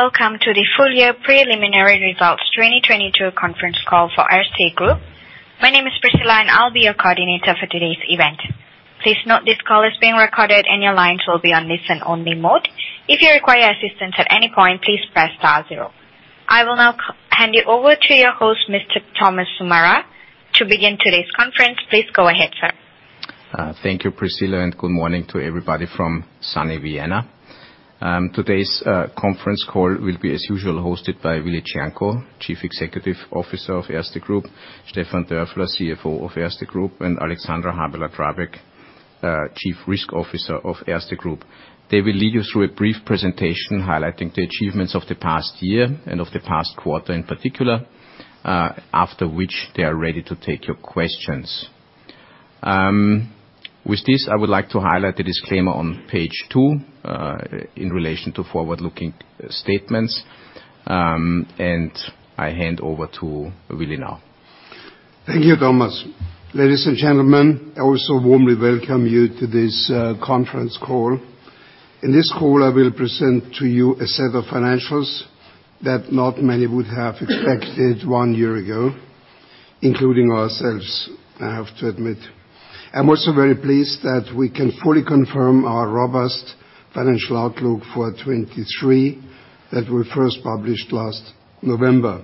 Hello, welcome to the full year preliminary results 2022 conference call for Erste Group. My name is Priscilla, and I'll be your coordinator for today's event. Please note this call is being recorded, and your lines will be on listen-only mode. If you require assistance at any point, please press star zero. I will now hand you over to your host, Mr. Thomas Sommerauer. To begin today's conference, please go ahead, sir. Thank you, Priscilla, good morning to everybody from sunny Vienna. Today's conference call will be, as usual, hosted by Willibald Cernko, Chief Executive Officer of Erste Group, Stefan Dörfler, CFO of Erste Group, and Alexandra Habeler-Drabek, Chief Risk Officer of Erste Group. They will lead you through a brief presentation highlighting the achievements of the past year and of the past quarter in particular, after which they are ready to take your questions. With this, I would like to highlight the disclaimer on page two in relation to forward-looking statements, I hand over to Willi now. Thank you, Thomas. Ladies and gentlemen, I also warmly welcome you to this conference call. In this call, I will present to you a set of financials that not many would have expected one year ago, including ourselves, I have to admit. I'm also very pleased that we can fully confirm our robust financial outlook for 2023 that we first published this November.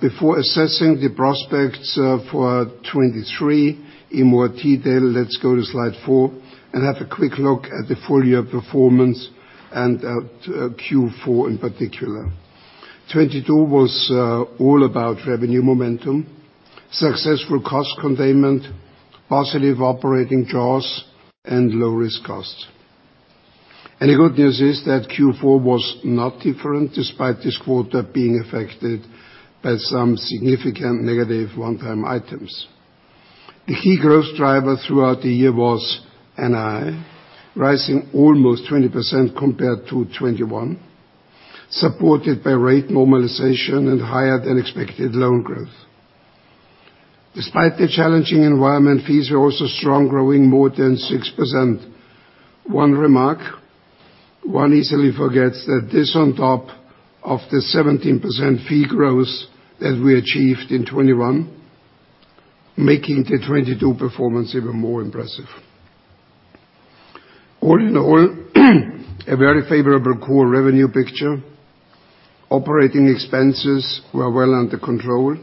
Before assessing the prospects for 2023 in more detail, let's go to slide four and have a quick look at the full year performance and at Q4 in particular. 2022 was all about revenue momentum, successful cost containment, positive operating jaws, and low risk costs. The good news is that Q4 was not different despite this quarter being affected by some significant negative one-time items. The key growth driver throughout the year was NII, rising almost 20% compared to 2021, supported by rate normalization and higher-than-expected loan growth. Despite the challenging environment, fees were also strong, growing more than 6%. One remark, one easily forgets that this on top of the 17% fee growth that we achieved in 2021, making the 2022 performance even more impressive. A very favorable core revenue picture. Operating expenses were well under control.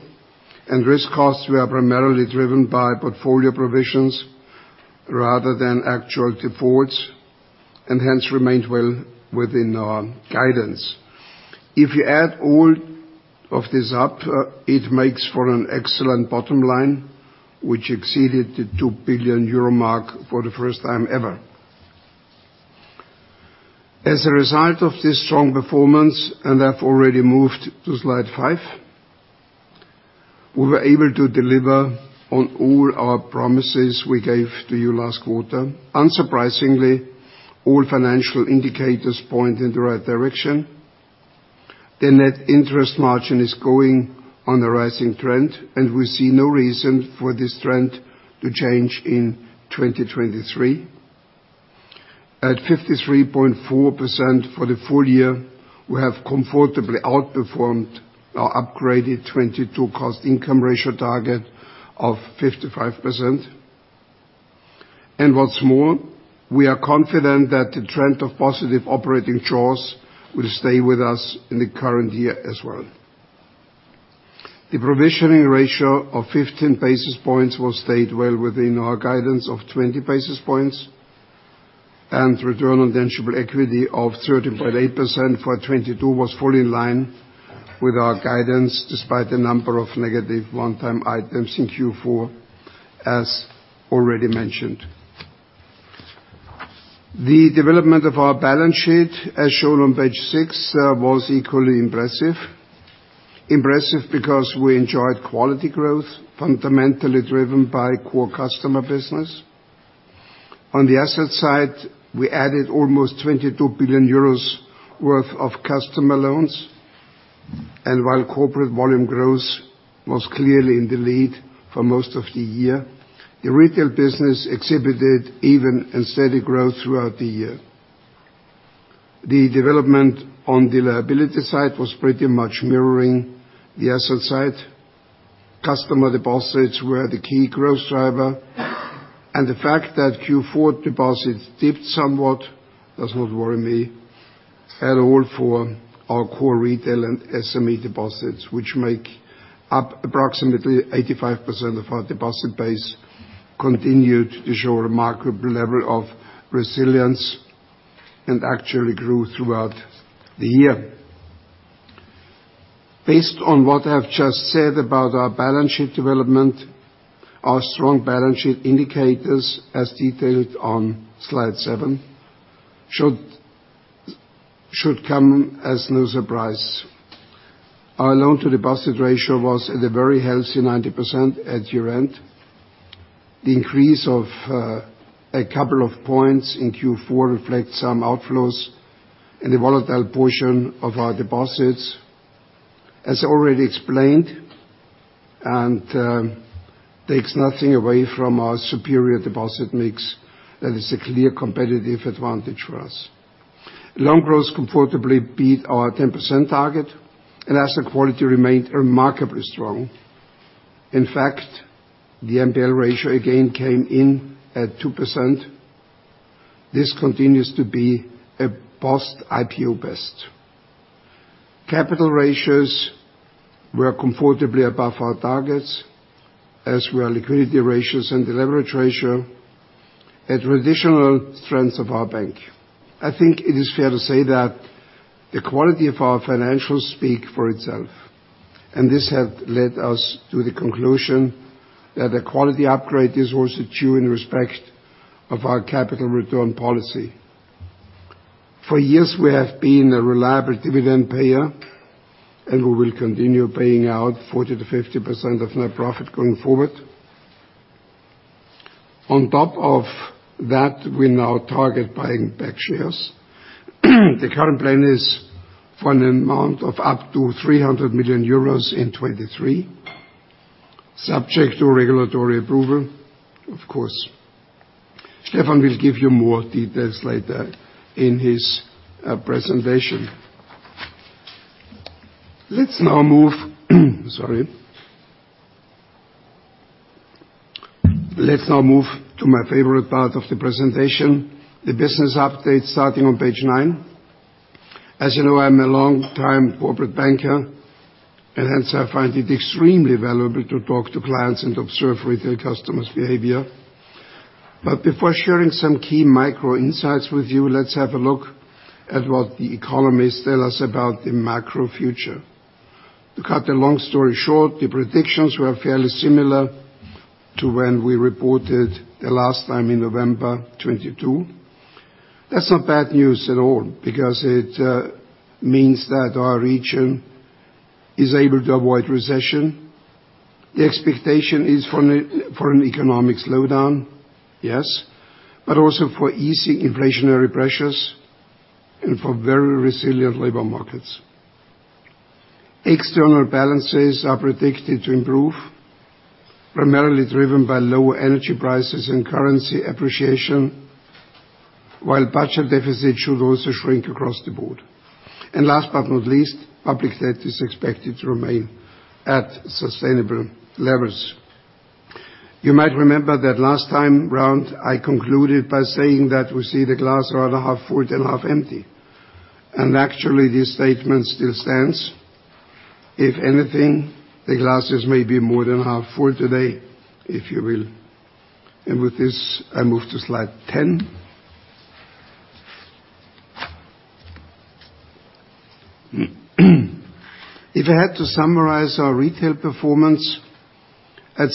Risk costs were primarily driven by portfolio provisions rather than actual defaults, and hence remained well within our guidance. If you add all of this up, it makes for an excellent bottom line, which exceeded the 2 billion euro mark for the first time ever. As a result of this strong performance, I've already moved to slide five, we were able to deliver on all our promises we gave to you last quarter. Unsurprisingly, all financial indicators point in the right direction. The Net Interest Margin is going on a rising trend, we see no reason for this trend to change in 2023. At 53.4% for the full year, we have comfortably outperformed our upgraded 2022 cost-income ratio target of 55%. What's more, we are confident that the trend of positive operating jaws will stay with us in the current year as well. The provisioning ratio of 15 basis points will stay well within our guidance of 20 basis points, and Return on Tangible Equity of 13.8% for 2022 was fully in line with our guidance despite the number of negative one-time items in Q4, as already mentioned. The development of our balance sheet, as shown on page six, was equally impressive. Impressive because we enjoyed quality growth, fundamentally driven by core customer business. On the asset side, we added almost 22 billion euros worth of customer loans. While corporate volume growth was clearly in the lead for most of the year, the retail business exhibited even and steady growth throughout the year. The development on the liability side was pretty much mirroring the asset side. Customer deposits were the key growth driver. The fact that Q4 deposits dipped somewhat does not worry me at all, for our core retail and SME deposits, which make up approximately 85% of our deposit base, continued to show a remarkable level of resilience and actually grew throughout the year. Based on what I have just said about our balance sheet development, our strong balance sheet indicators, as detailed on slide seven, should come as no surprise. Our loan-to-deposit ratio was at a very healthy 90% at year-end. The increase of a couple of points in Q4 reflect some outflows in the volatile portion of our deposits. As already explained. Takes nothing away from our superior deposit mix. That is a clear competitive advantage for us. Loan growth comfortably beat our 10% target, and asset quality remained remarkably strong. In fact, the NPL ratio again came in at 2%. This continues to be a post-IPO best. Capital ratios were comfortably above our targets, as were liquidity ratios and the leverage ratio at traditional strengths of our bank. I think it is fair to say that the quality of our financials speak for itself. This has led us to the conclusion that the quality upgrade is also due in respect of our capital return policy. For years, we have been a reliable dividend payer. We will continue paying out 40%-50% of net profit going forward. On top of that, we now target buying back shares. The current plan is for an amount of up to 300 million euros in 2023, subject to regulatory approval, of course. Stefan will give you more details later in his presentation. Let's now move. Sorry. Let's now move to my favorite part of the presentation, the business update starting on page nine. Hence I find it extremely valuable to talk to clients and observe retail customers' behavior. Before sharing some key micro insights with you, let's have a look at what the economists tell us about the macro future. To cut a long story short, the predictions were fairly similar to when we reported the last time in November 2022. That's not bad news at all because it means that our region is able to avoid recession. The expectation is for an economic slowdown, yes, but also for easing inflationary pressures and for very resilient labor markets. External balances are predicted to improve, primarily driven by lower energy prices and currency appreciation, while budget deficit should also shrink across the board. Last but not least, public debt is expected to remain at sustainable levels. You might remember that last time around I concluded by saying that we see the glass rather half full than half empty, actually this statement still stands. If anything, the glass is maybe more than half full today, if you will. With this, I move to slide 10. If I had to summarize our retail performance, I'm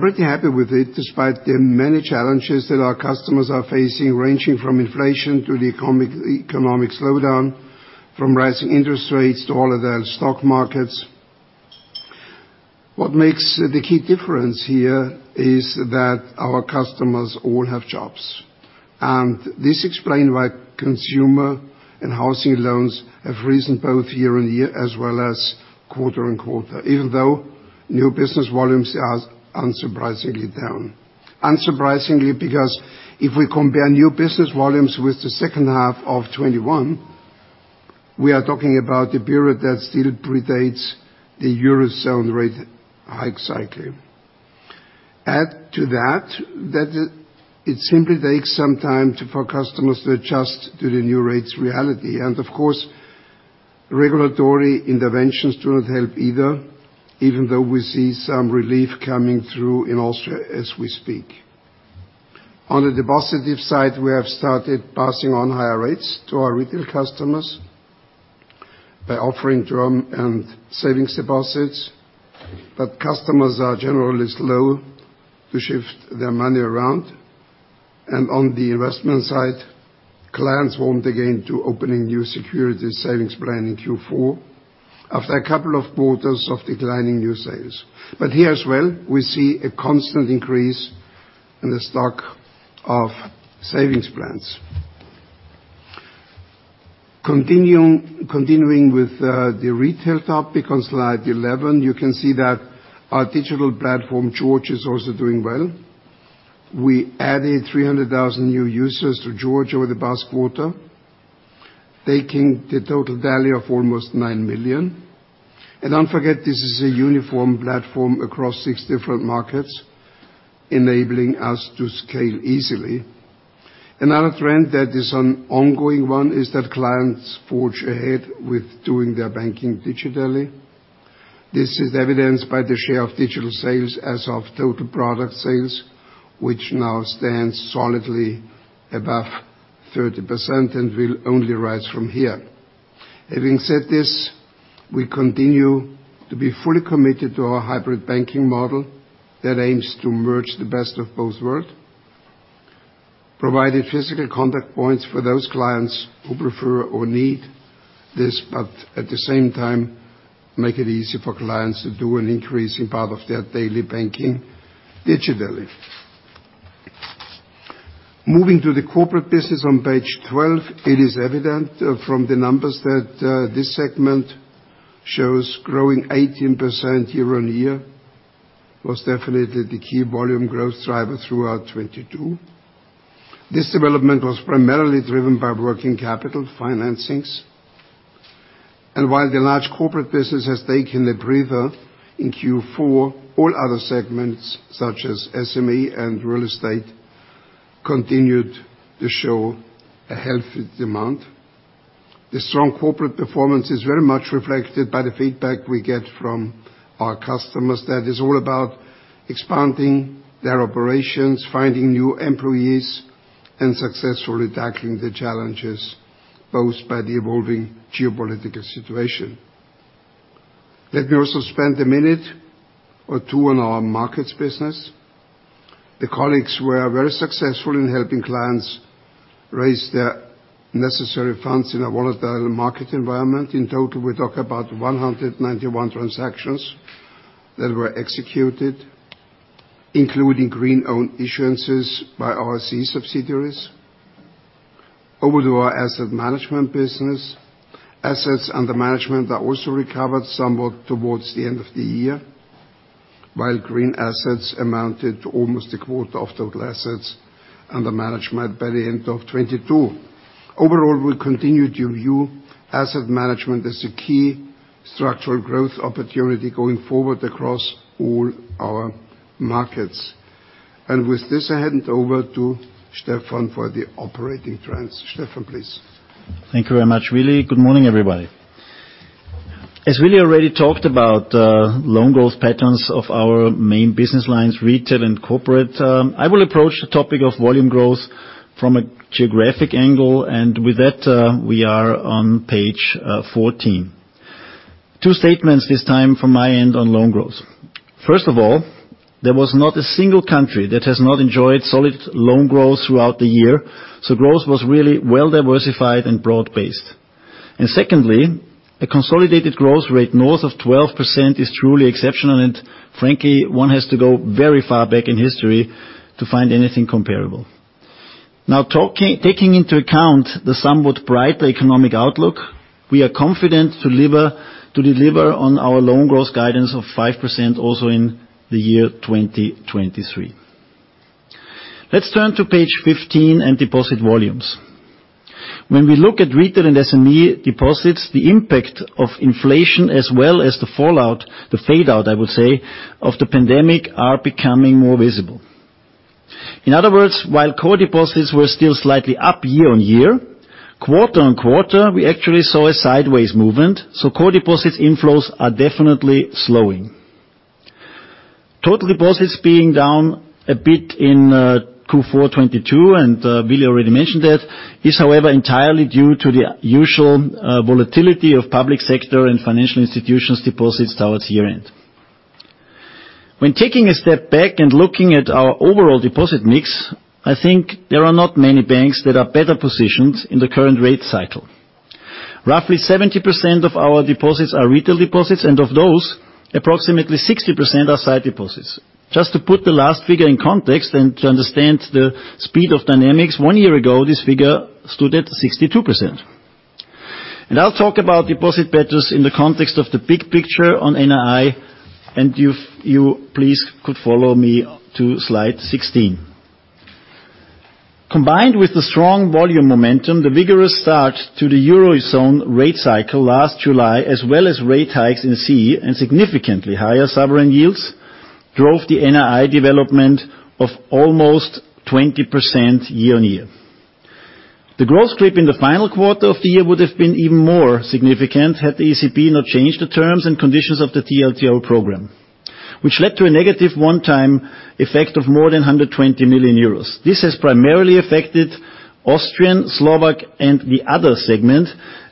pretty happy with it, despite the many challenges that our customers are facing, ranging from inflation to the economic slowdown, from rising interest rates to all of the stock markets. What makes the key difference here is that our customers all have jobs, this explain why consumer and housing loans have risen both year-on-year as well as quarter-on-quarter, even though new business volumes are unsurprisingly down. Unsurprisingly because if we compare new business volumes with the second half of 2021, we are talking about the period that still predates the Eurozone rate hike cycle. Add to that it simply takes some time for customers to adjust to the new rates reality. Of course, regulatory interventions do not help either, even though we see some relief coming through in Austria as we speak. On the deposit side, we have started passing on higher rates to our retail customers by offering term and savings deposits, but customers are generally slow to shift their money around. On the investment side, clients warmed again to opening new securities savings plan in Q4 after a couple of quarters of declining new sales. Here as well, we see a constant increase in the stock of savings plans. Continuing with the retail topic on slide 11, you can see that our digital platform, George, is also doing well. We added 300,000 new users to George over the past quarter, taking the total value of almost 9 million. Don't forget, this is a uniform platform across six different markets, enabling us to scale easily. Another trend that is an ongoing one is that clients forge ahead with doing their banking digitally. This is evidenced by the share of digital sales as of total product sales, which now stands solidly above 30% and will only rise from here. Having said this, we continue to be fully committed to our hybrid banking model that aims to merge the best of both world, providing physical contact points for those clients who prefer or need this, but at the same time, make it easy for clients to do an increasing part of their daily banking digitally. Moving to the corporate business on page 12, it is evident from the numbers that this segment shows growing 18% year-on-year was definitely the key volume growth driver throughout 2022. This development was primarily driven by working capital financings. While the large corporate business has taken a breather in Q4, all other segments, such as SME and real estate, continued to show a healthy demand. The strong corporate performance is very much reflected by the feedback we get from our customers that is all about expanding their operations, finding new employees, and successfully tackling the challenges posed by the evolving geopolitical situation. Let me also spend a minute or two on our markets business. The colleagues were very successful in helping clients raise their necessary funds in a volatile market environment. In total, we talk about 191 transactions that were executed, including green own issuances by our C subsidiaries. Over to our asset management business. Assets under management are also recovered somewhat towards the end of the year, while green assets amounted to almost a quarter of total assets under management by the end of 2022. Overall, we continue to view asset management as a key structural growth opportunity going forward across all our markets. With this, I hand over to Stefan for the operating trends. Stefan, please. Thank you very much, Willi. Good morning, everybody. As Willi already talked about, loan growth patterns of our main business lines, retail and corporate, I will approach the topic of volume growth from a geographic angle, and with that, we are on page 14. Two statements this time from my end on loan growth. First of all, there was not a single country that has not enjoyed solid loan growth throughout the year, so growth was really well-diversified and broad-based. Secondly, a consolidated growth rate north of 12% is truly exceptional, and frankly, one has to go very far back in history to find anything comparable. Taking into account the somewhat brighter economic outlook, we are confident to deliver on our loan growth guidance of 5% also in the year 2023. Let's turn to page 15 and deposit volumes. When we look at retail and SME deposits, the impact of inflation as well as the fallout, the fade out, I would say, of the pandemic are becoming more visible. In other words, while core deposits were still slightly up year-on-year, quarter-on-quarter, we actually saw a sideways movement, so core deposit inflows are definitely slowing. Total deposits being down a bit in Q4 2022, and Willi already mentioned it, is however entirely due to the usual volatility of public sector and financial institutions deposits towards year-end. When taking a step back and looking at our overall deposit mix, I think there are not many banks that are better positioned in the current rate cycle. Roughly 70% of our deposits are retail deposits, and of those, approximately 60% are sight deposits. Just to put the last figure in context and to understand the speed of dynamics, one year ago, this figure stood at 62%. I'll talk about deposit betas in the context of the big picture on NII, and if you please could follow me to slide 16. Combined with the strong volume momentum, the vigorous start to the Eurozone rate cycle last July, as well as rate hikes in C and significantly higher sovereign yields, drove the NII development of almost 20% year-on-year. The growth clip in the final quarter of the year would have been even more significant had the ECB not changed the terms and conditions of the TLTRO program, which led to a negative one-time effect of more than 120 million euros. This has primarily affected Austrian, Slovak, and the other segment.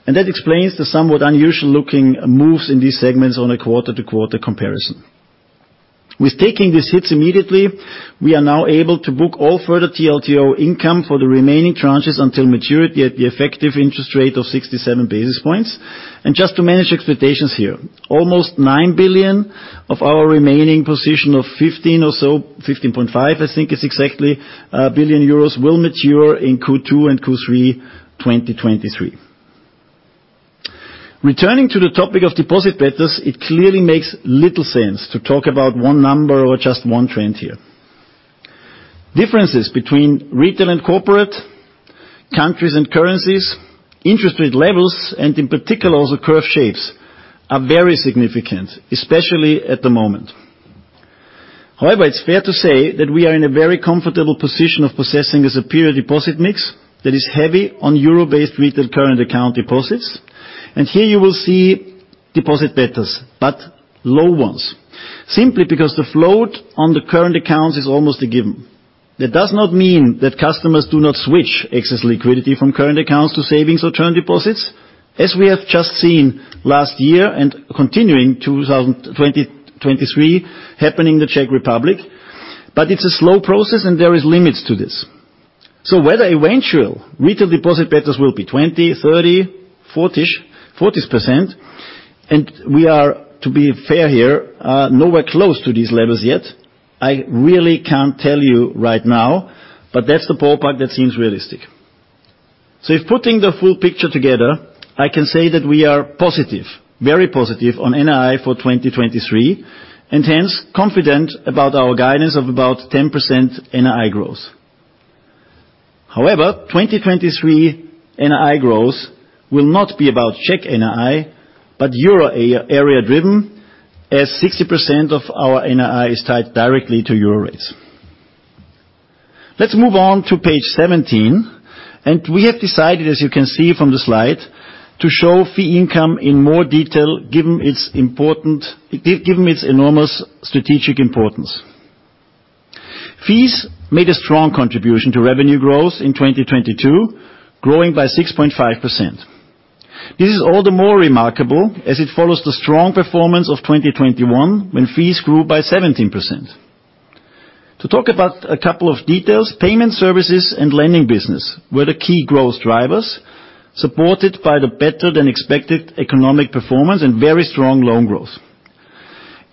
That explains the somewhat unusual-looking moves in these segments on a quarter-to-quarter comparison. With taking these hits immediately, we are now able to book all further TLTRO income for the remaining tranches until maturity at the effective interest rate of 67 basis points. Just to manage expectations here, almost 9 billion of our remaining position of 15 or so, 15.5 billion, I think it's exactly, will mature in Q2 and Q3 2023. Returning to the topic of deposit betas, it clearly makes little sense to talk about one number or just one trend here. Differences between retail and corporate, countries and currencies, interest rate levels, and in particular, also curve shapes, are very significant, especially at the moment. However, it's fair to say that we are in a very comfortable position of possessing a superior deposit mix that is heavy on euro-based retail current account deposits. Here, you will see deposit betas, but low ones, simply because the float on the current accounts is almost a given. That does not mean that customers do not switch excess liquidity from current accounts to savings or term deposits, as we have just seen last year and continuing 2023 happening in the Czech Republic, but it's a slow process, and there is limits to this. Whether eventual retail deposit betas will be 20%, 30%, 40%. We are, to be fair here, nowhere close to these levels yet. I really can't tell you right now, but that's the ballpark that seems realistic. If putting the full picture together, I can say that we are positive, very positive on NII for 2023, and hence confident about our guidance of about 10% NII growth. However, 2023 NII growth will not be about Czech NII, but Euro area-driven, as 60% of our NII is tied directly to Euro rates. Let's move on to page 17. We have decided, as you can see from the slide, to show fee income in more detail given its enormous strategic importance. Fees made a strong contribution to revenue growth in 2022, growing by 6.5%. This is all the more remarkable as it follows the strong performance of 2021, when fees grew by 17%. To talk about a couple of details, payment services and lending business were the key growth drivers, supported by the better-than-expected economic performance and very strong loan growth.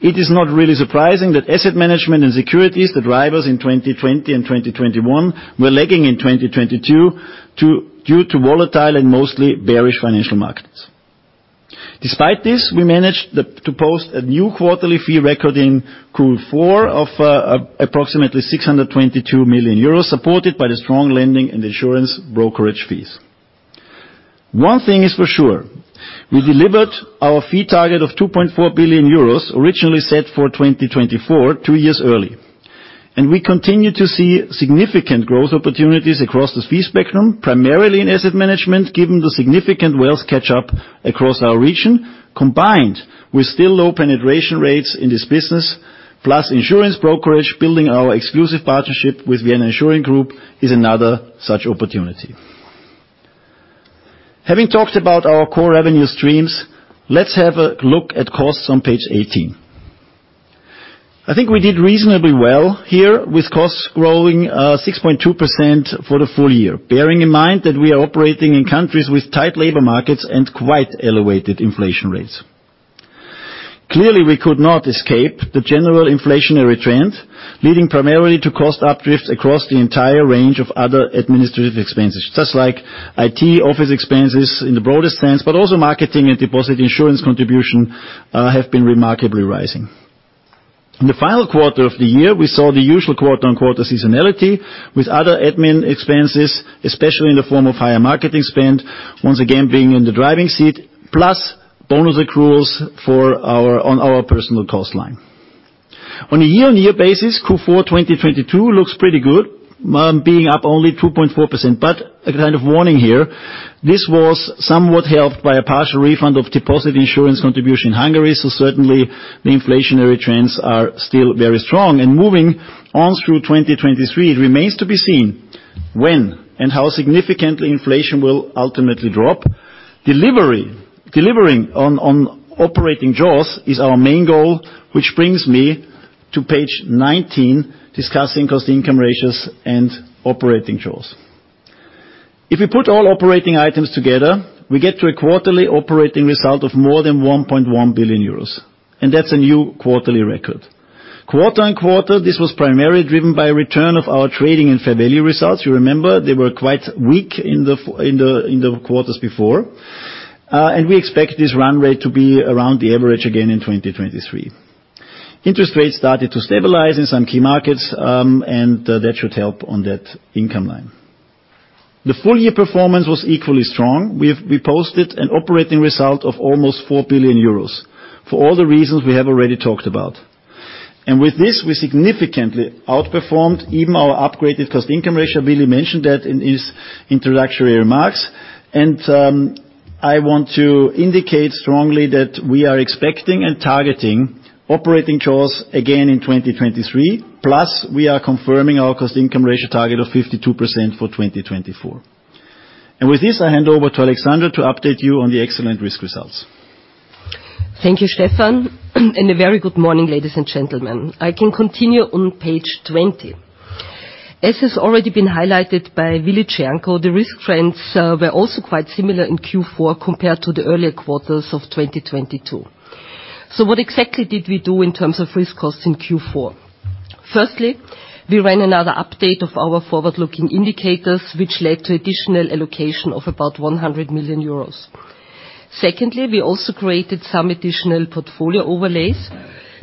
It is not really surprising that asset management and securities, the drivers in 2020 and 2021, were lagging in 2022 due to volatile and mostly bearish financial markets. Despite this, we managed to post a new quarterly fee record in Q4 of approximately 622 million euros, supported by the strong lending and assurance brokerage fees. One thing is for sure, we delivered our fee target of 2.4 billion euros originally set for 2024, two years early. We continue to see significant growth opportunities across this fee spectrum, primarily in asset management, given the significant wealth catch-up across our region, combined with still low penetration rates in this business. Insurance brokerage, building our exclusive partnership with Vienna Insurance Group is another such opportunity. Having talked about our core revenue streams, let's have a look at costs on page 18. I think we did reasonably well here with costs growing 6.2% for the full year. Bearing in mind that we are operating in countries with tight labor markets and quite elevated inflation rates. We could not escape the general inflationary trend, leading primarily to cost updrift across the entire range of other administrative expenses, just like IT, office expenses in the broadest sense, but also marketing and deposit insurance contribution have been remarkably rising. In the final quarter of the year, we saw the usual quarter-on-quarter seasonality with other admin expenses, especially in the form of higher marketing spend, once again being in the driving seat. Plus bonus accruals for our personal cost line. On a year-on-year basis, Q4 2022 looks pretty good, being up only 2.4%. A kind of warning here, this was somewhat helped by a partial refund of deposit insurance contribution in Hungary. Certainly the inflationary trends are still very strong. Moving on through 2023, it remains to be seen when and how significantly inflation will ultimately drop. Delivering on operating jaws is our main goal, which brings me to page 19, discussing cost-income ratios and operating jaws. If we put all operating items together, we get to a quarterly operating result of more than 1.1 billion euros. That's a new quarterly record. Quarter-on-quarter, this was primarily driven by return of our trading and fair value results. You remember they were quite weak in the quarters before. We expect this run rate to be around the average again in 2023. Interest rates started to stabilize in some key markets, that should help on that income line. The full year performance was equally strong. We posted an operating result of almost 4 billion euros for all the reasons we have already talked about. With this, we significantly outperformed even our upgraded cost-income ratio. Willi mentioned that in his introductory remarks. I want to indicate strongly that we are expecting and targeting operating jaws again in 2023. Plus, we are confirming our cost-income ratio target of 52% for 2024. With this, I hand over to Alexandra to update you on the excellent risk results. Thank you, Stefan. A very good morning, ladies and gentlemen. I can continue on page 20. As has already been highlighted by Willi Cernko, the risk trends were also quite similar in Q4 compared to the earlier quarters of 2022. What exactly did we do in terms of risk costs in Q4? Firstly, we ran another update of our forward-looking indicators, which led to additional allocation of about 100 million euros. Secondly, we also created some additional portfolio overlays,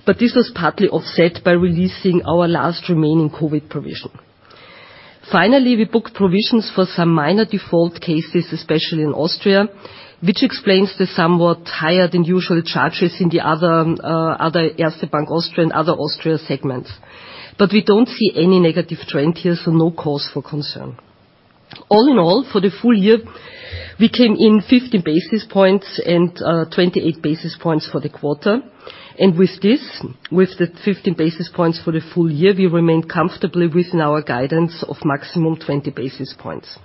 but this was partly offset by releasing our last remaining COVID provision. Finally, we booked provisions for some minor default cases, especially in Austria, which explains the somewhat higher-than-usual charges in the other Erste Bank Oesterreich and other Austria segments. We don't see any negative trend here, so no cause for concern. All in all, for the full year, we came in 15 basis points and 28 basis points for the quarter. With this, with the 15 basis points for the full year, we remain comfortably within our guidance of maximum 20 basis points,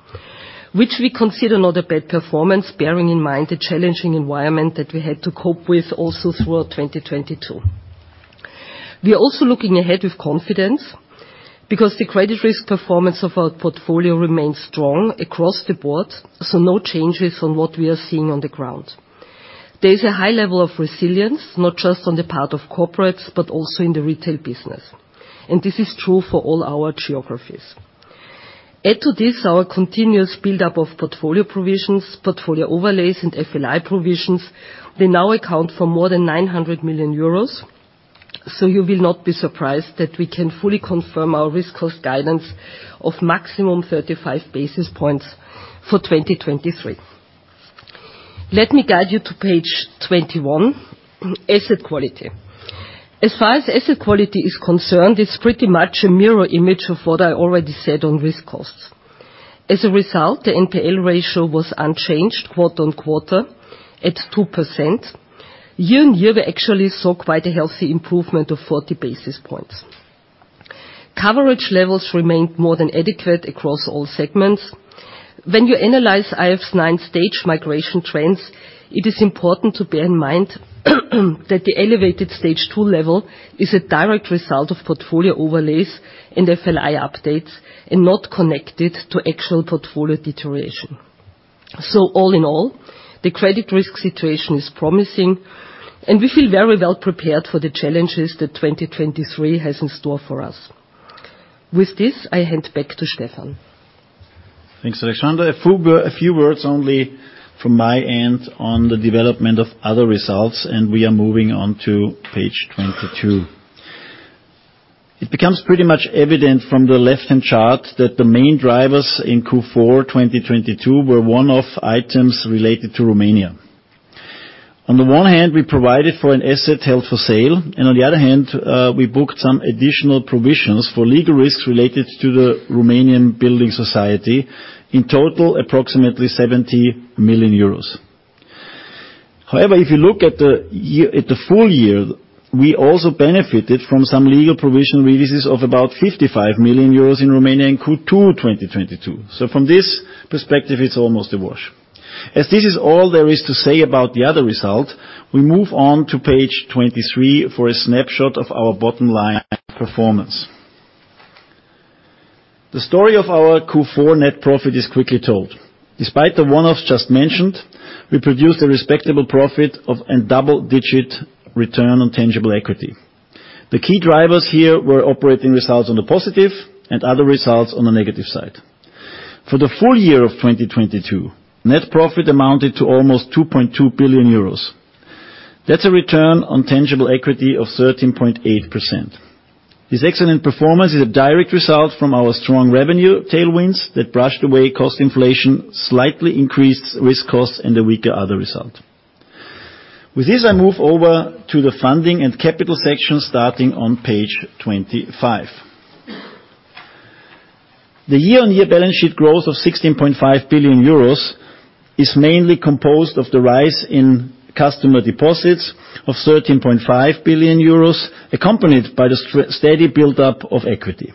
which we consider not a bad performance, bearing in mind the challenging environment that we had to cope with also throughout 2022. We are also looking ahead with confidence because the credit risk performance of our portfolio remains strong across the board, so no changes from what we are seeing on the ground. There is a high level of resilience, not just on the part of corporates, but also in the retail business, and this is true for all our geographies. Add to this our continuous buildup of portfolio provisions, portfolio overlays, and FLI provisions, they now account for more than 900 million euros. You will not be surprised that we can fully confirm our risk cost guidance of maximum 35 basis points for 2023. Let me guide you to page 21, asset quality. As far as asset quality is concerned, it's pretty much a mirror image of what I already said on risk costs. As a result, the NPL ratio was unchanged quarter on quarter at 2%. Year on year, we actually saw quite a healthy improvement of 40 basis points. Coverage levels remained more than adequate across all segments. When you analyze IFRS 9 Stage migration trends, it is important to bear in mind that the elevated Stage 2 level is a direct result of portfolio overlays and FLI updates and not connected to actual portfolio deterioration. All in all, the credit risk situation is promising, and we feel very well prepared for the challenges that 2023 has in store for us. With this, I hand back to Stefan. Thanks, Alexandra. A few words only from my end on the development of other results, we are moving on to page 22. It becomes pretty much evident from the left-hand chart that the main drivers in Q4 2022 were one-off items related to Romania. On the one hand, we provided for an asset held for sale, on the other hand, we booked some additional provisions for legal risks related to the Romanian Building Society, in total, approximately 70 million euros. However, if you look at the full year, we also benefited from some legal provision releases of about 55 million euros in Romania in Q2 2022. From this perspective, it's almost a wash. As this is all there is to say about the other result, we move on to page 23 for a snapshot of our bottom line performance. The story of our Q4 net profit is quickly told. Despite the one-offs just mentioned, we produced a respectable profit of a double-digit Return on Tangible Equity. The key drivers here were operating results on the positive and other results on the negative side. For the full year of 2022, net profit amounted to almost 2.2 billion euros. That's a Return on Tangible Equity of 13.8%. This excellent performance is a direct result from our strong revenue tailwinds that brushed away cost inflation, slightly increased risk costs, and a weaker other result. With this, I move over to the funding and capital section starting on page 25. The year-on-year balance sheet growth of 16.5 billion euros is mainly composed of the rise in customer deposits of 13.5 billion euros, accompanied by the steady build-up of equity.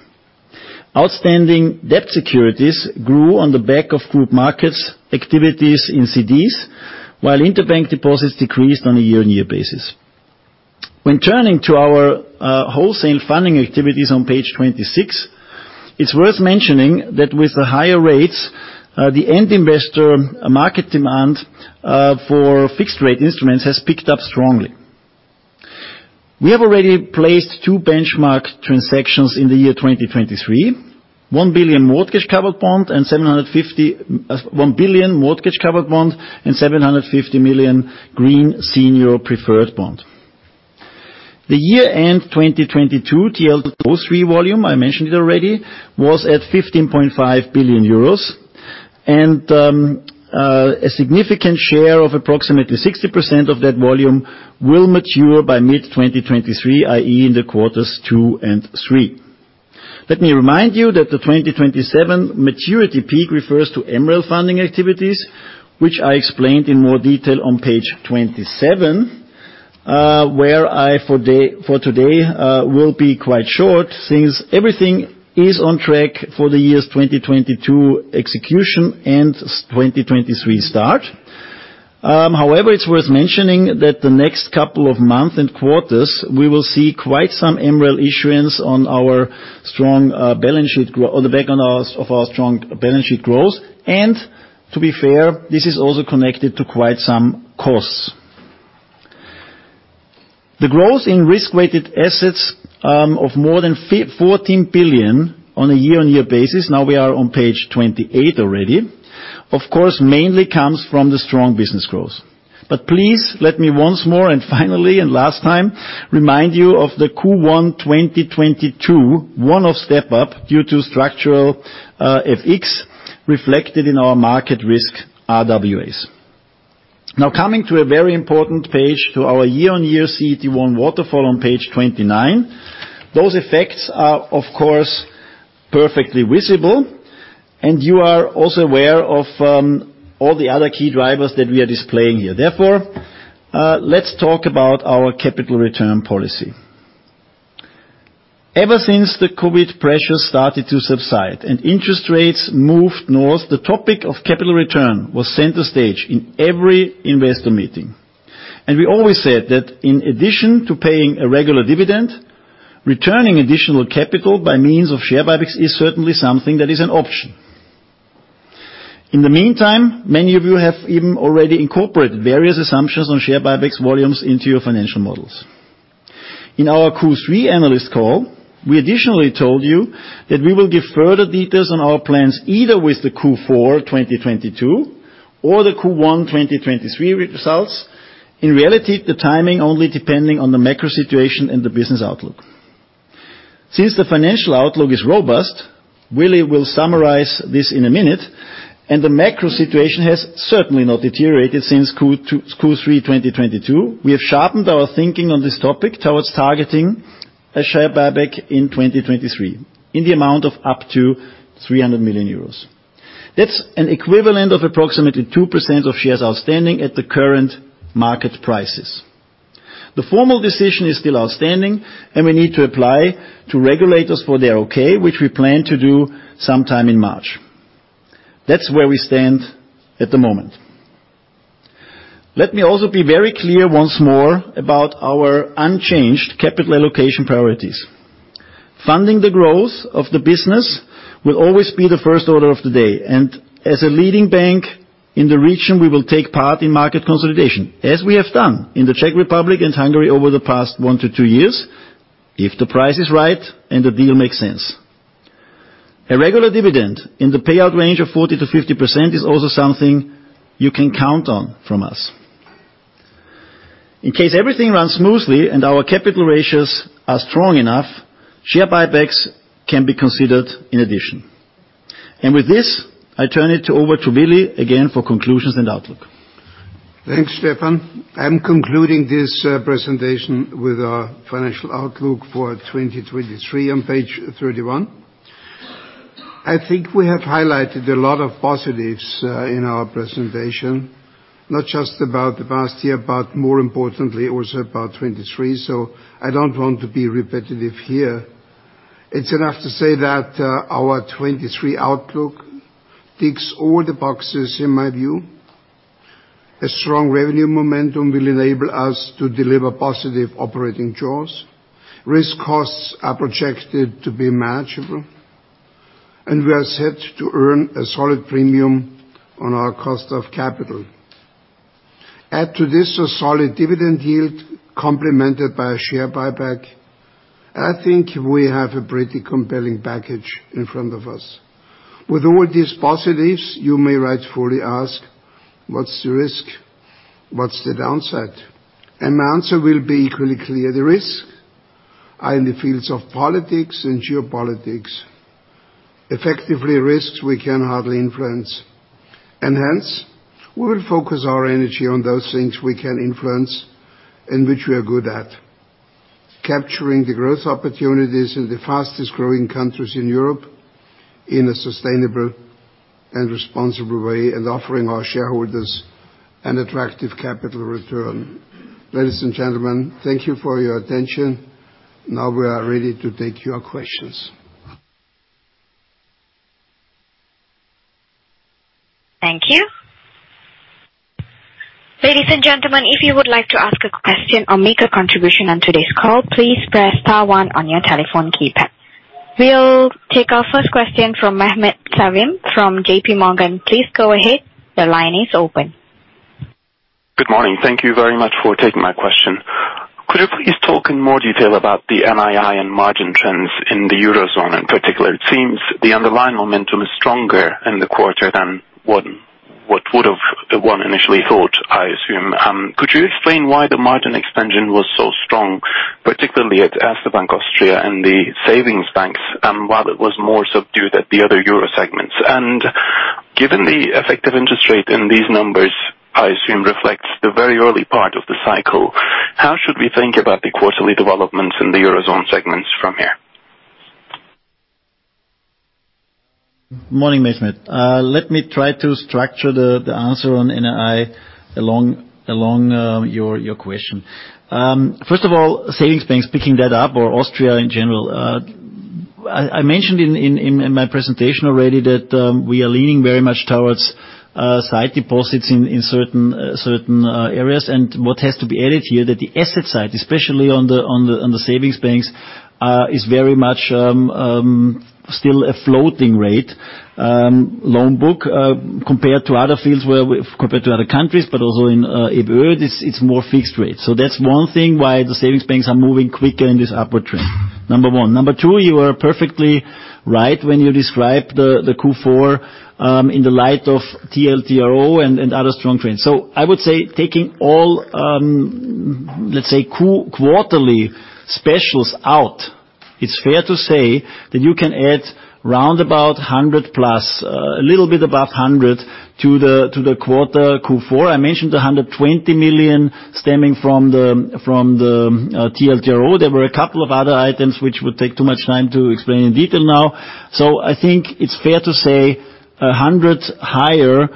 Outstanding debt securities grew on the back of group markets activities in CDs, while interbank deposits decreased on a year-on-year basis. Turning to our wholesale funding activities on page 26, it's worth mentioning that with the higher rates, the end investor market demand for fixed-rate instruments has picked up strongly. We have already placed two benchmark transactions in the year 2023, 1 billion mortgage-covered bond and 750 million green senior preferred bond. The year-end 2022 TLTRO III volume, I mentioned it already, was at 15.5 billion euros and a significant share of approximately 60% of that volume will mature by mid-2023, i.e., in the Q2 and Q3. Let me remind you that the 2027 maturity peak refers to MREL funding activities, which I explained in more detail on page 27, where I, for today, will be quite short since everything is on track for the years 2022 execution and 2023 start. It's worth mentioning that the next couple of months and quarters, we will see quite some MREL issuance on the back of our strong balance sheet growth. To be fair, this is also connected to quite some costs. The growth in risk-weighted assets, of more than 14 billion on a year-on-year basis, we are on page 28 already, of course, mainly comes from the strong business growth. Please let me once more and finally and last time remind you of the Q1 2022 one-off step-up due to structural FX reflected in our Market Risk RWAs. Coming to a very important page, to our year-on-year CET1 waterfall on page 29. Those effects are, of course, perfectly visible, and you are also aware of all the other key drivers that we are displaying here. Therefore, let's talk about our capital return policy. Ever since the COVID pressure started to subside and interest rates moved north, the topic of capital return was center stage in every investor meeting. We always said that in addition to paying a regular dividend, returning additional capital by means of share buybacks is certainly something that is an option. In the meantime, many of you have even already incorporated various assumptions on share buybacks volumes into your financial models. In our Q3 analyst call, we additionally told you that we will give further details on our plans, either with the Q4 2022 or the Q1 2023 results. In reality, the timing only depending on the macro situation and the business outlook. Since the financial outlook is robust, Willi will summarize this in a minute, and the macro situation has certainly not deteriorated since Q3 2022. We have sharpened our thinking on this topic towards targeting a share buyback in 2023 in the amount of up to 300 million euros. That's an equivalent of approximately 2% of shares outstanding at the current market prices. The formal decision is still outstanding. We need to apply to regulators for their okay, which we plan to do sometime in March. That's where we stand at the moment. Let me also be very clear once more about our unchanged capital allocation priorities. Funding the growth of the business will always be the first order of the day. As a leading bank in the region, we will take part in market consolidation, as we have done in the Czech Republic and Hungary over the past 1-2 years, if the price is right and the deal makes sense. A regular dividend in the payout range of 40%-50% is also something you can count on from us. In case everything runs smoothly and our capital ratios are strong enough, share buybacks can be considered in addition. With this, I turn it over to Willi again for conclusions and outlook. Thanks, Stefan. I'm concluding this presentation with our financial outlook for 2023 on page 31. I think we have highlighted a lot of positives in our presentation, not just about the past year, but more importantly, also about 2023. I don't want to be repetitive here. It's enough to say that our 2023 outlook ticks all the boxes, in my view. A strong revenue momentum will enable us to deliver positive operating jaws. Risk costs are projected to be manageable, and we are set to earn a solid premium on our cost of capital. Add to this a solid dividend yield complemented by a share buyback. I think we have a pretty compelling package in front of us. With all these positives, you may rightfully ask, what's the risk? What's the downside? My answer will be equally clear. The risks are in the fields of politics and geopolitics, effectively risks we can hardly influence. Hence, we will focus our energy on those things we can influence and which we are good at, capturing the growth opportunities in the fastest-growing countries in Europe in a sustainable and responsible way, and offering our shareholders an attractive capital return. Ladies and gentlemen, thank you for your attention. Now we are ready to take your questions. Thank you. Ladies and gentlemen, if you would like to ask a question or make a contribution on today's call, please press star one on your telephone keypad. We'll take our first question from Mehmet Sevim from J.P. Morgan. Please go ahead. The line is open. Good morning. Thank you very much for taking my question. Could you please talk in more detail about the NII and margin trends in the Eurozone in particular? It seems the underlying momentum is stronger in the Q1, what would have one initially thought, I assume. Could you explain why the margin expansion was so strong, particularly at Erste Bank Austria and the savings banks, while it was more subdued at the other Euro segments. Given the effective interest rate in these numbers, I assume reflects the very early part of the cycle, how should we think about the quarterly developments in the Eurozone segments from here? Morning, Mehmet. Let me try to structure the answer on NII along your question. First of all, savings banks, picking that up or Austria in general. I mentioned in my presentation already that we are leaning very much towards sight deposits in certain areas. What has to be added here that the asset side, especially on the savings banks, is very much still a floating rate loan book compared to other countries, but also in EBO.DE, it's more fixed rate. That's one thing why the savings banks are moving quicker in this upward trend, number one. Number two, you are perfectly right when you describe the Q4, in the light of TLTRO and other strong trends. I would say taking all, let's say quarterly specials out. It's fair to say that you can add round about 100%+, a little bit above 100% to the quarter Q4. I mentioned 120 million stemming from the TLTRO. There were a couple of other items which would take too much time to explain in detail now. I think it's fair to say 100% higher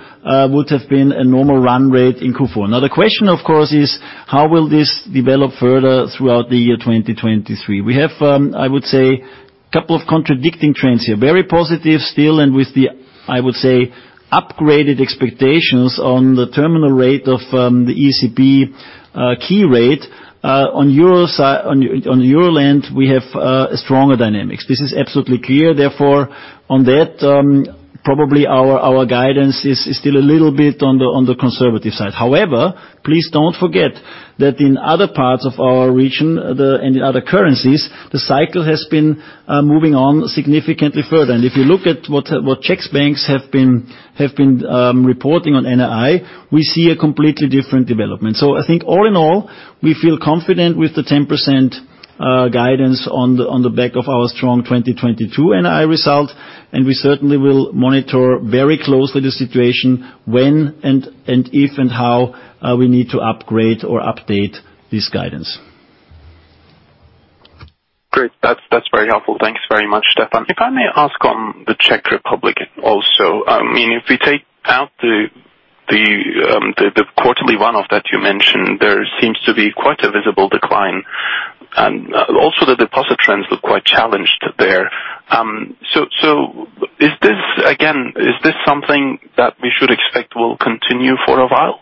would have been a normal run rate in Q4. The question, of course, is how will this develop further throughout the year 2023? We have, I would say a couple of contradicting trends here. Very positive still with the, I would say, upgraded expectations on the terminal rate of the ECB key rate on Euro land, we have stronger dynamics. This is absolutely clear. On that, probably our guidance is still a little bit on the conservative side. Please don't forget that in other parts of our region, and in other currencies, the cycle has been moving on significantly further. If you look at what Czech banks have been reporting on NII, we see a completely different development. I think all in all, we feel confident with the 10% guidance on the back of our strong 2022 NII result, and we certainly will monitor very closely the situation when and, if and how, we need to upgrade or update this guidance. Great. That's very helpful. Thanks very much, Stefan. If I may ask on the Czech Republic also, I mean, if you take out the quarterly run-off that you mentioned, there seems to be quite a visible decline. Also the deposit trends look quite challenged there. Is this, again, is this something that we should expect will continue for a while?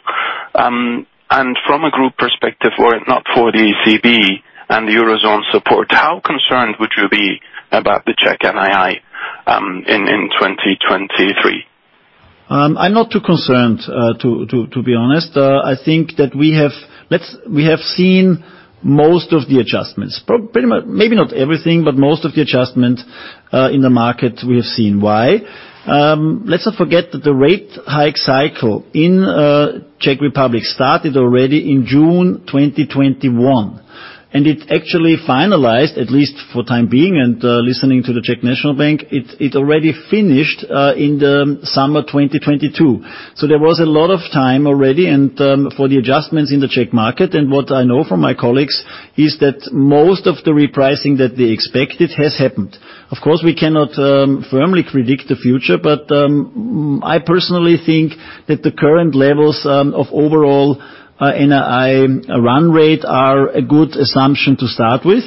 From a group perspective, were it not for the ECB and the Eurozone support, how concerned would you be about the Czech NII in 2023? I'm not too concerned, to be honest. I think that we have seen most of the adjustments. maybe not everything, but most of the adjustments in the market we have seen. Why? Let's not forget that the rate hike cycle in Czech Republic started already in June 2021, and it actually finalized, at least for time being and listening to the Czech National Bank, it already finished in the summer 2022. There was a lot of time already for the adjustments in the Czech market. What I know from my colleagues is that most of the repricing that they expected has happened. Of course, we cannot firmly predict the future, but I personally think that the current levels of overall NII run rate are a good assumption to start with.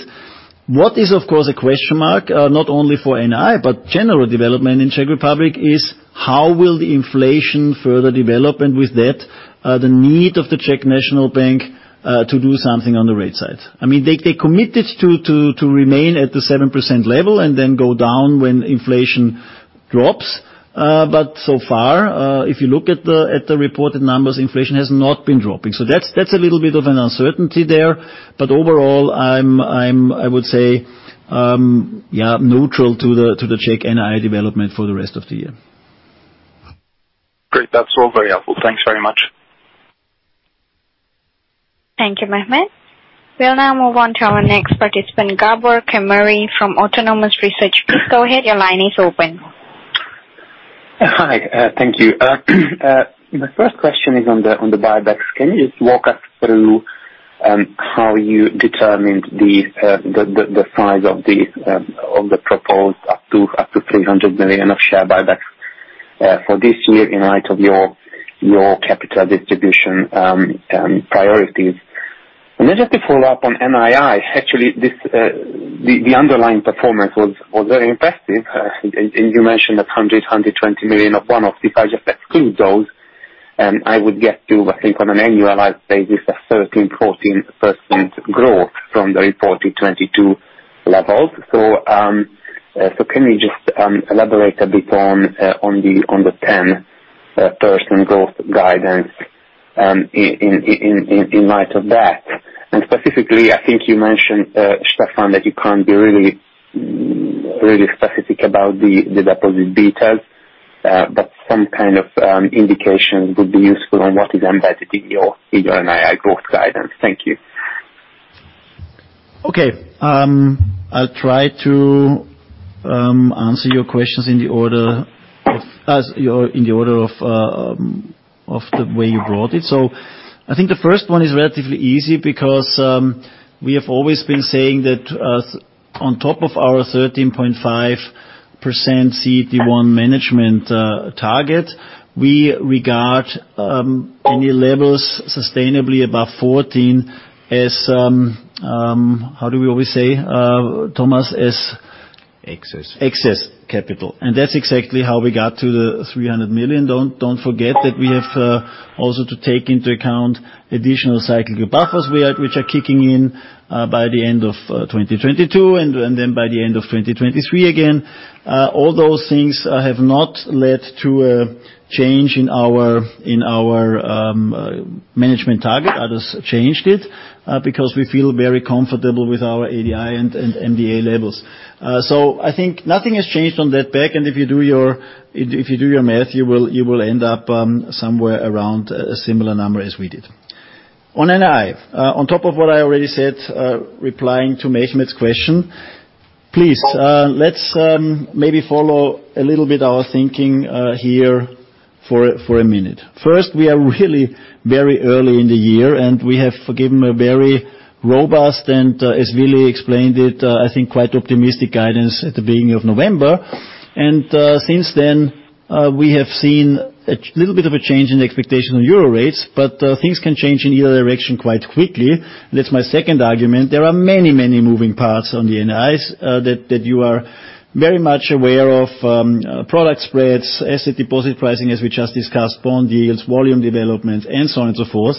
What is, of course, a question mark, not only for NII, but general development in Czech Republic is how will the inflation further develop, and with that, the need of the Czech National Bank to do something on the rate side. I mean, they committed to remain at the 7% level and then go down when inflation drops. So far, if you look at the reported numbers, inflation has not been dropping. That's a little bit of an uncertainty there. Overall, I would say, yeah, neutral to the Czech NII development for the rest of the year. Great. That's all very helpful. Thanks very much. Thank you, Mehmet. We'll now move on to our next participant, Gabor Kemeny from Autonomous Research. Please go ahead. Your line is open. Hi, thank you. My first question is on the buybacks. Can you just walk us through how you determined the size of the proposed up to 300 million of share buybacks for this year in light of your capital distribution priorities? Just to follow up on NII, actually, this the underlying performance was very impressive. You mentioned 120 million of one-off. If I just exclude those, I would get to, I think on an annualized basis, a 13%-14% growth from the 2022 levels. Can you just elaborate a bit on the 10% growth guidance in light of that? Specifically, I think you mentioned, Stefan, that you can't be really specific about the deposit details, but some kind of indication would be useful on what is embedded in your NII growth guidance. Thank you. Okay. I'll try to answer your questions in the order of the way you brought it. I think the first one is relatively easy because we have always been saying that on top of our 13.5% CET1 management target, we regard any levels sustainably above 14 as—How do we always say, Thomas? Excess. Excess Capital. That's exactly how we got to the 300 million. Don't forget that we have also to take into account additional cyclical buffers which are kicking in by the end of 2022 and then by the end of 2023 again. All those things have not led to a change in our, in our management target. I just changed it because we feel very comfortable with our ADI and MDA levels. I think nothing has changed on that back. If you do your math, you will end up somewhere around a similar number as we did. On NII, on top of what I already said, replying to Mehmet's question, please, let's maybe follow a little bit our thinking here for a minute. First, we are really very early in the year, we have given a very robust and as Willi explained it, I think quite optimistic guidance at the beginning of November. Since then, we have seen a little bit of a change in the expectation on euro rates, things can change in either direction quite quickly. That's my second argument. There are many, many moving parts on the NIIs, that you are very much aware of, product spreads, asset deposit pricing, as we just discussed, bond yields, volume developments, and so on and so forth.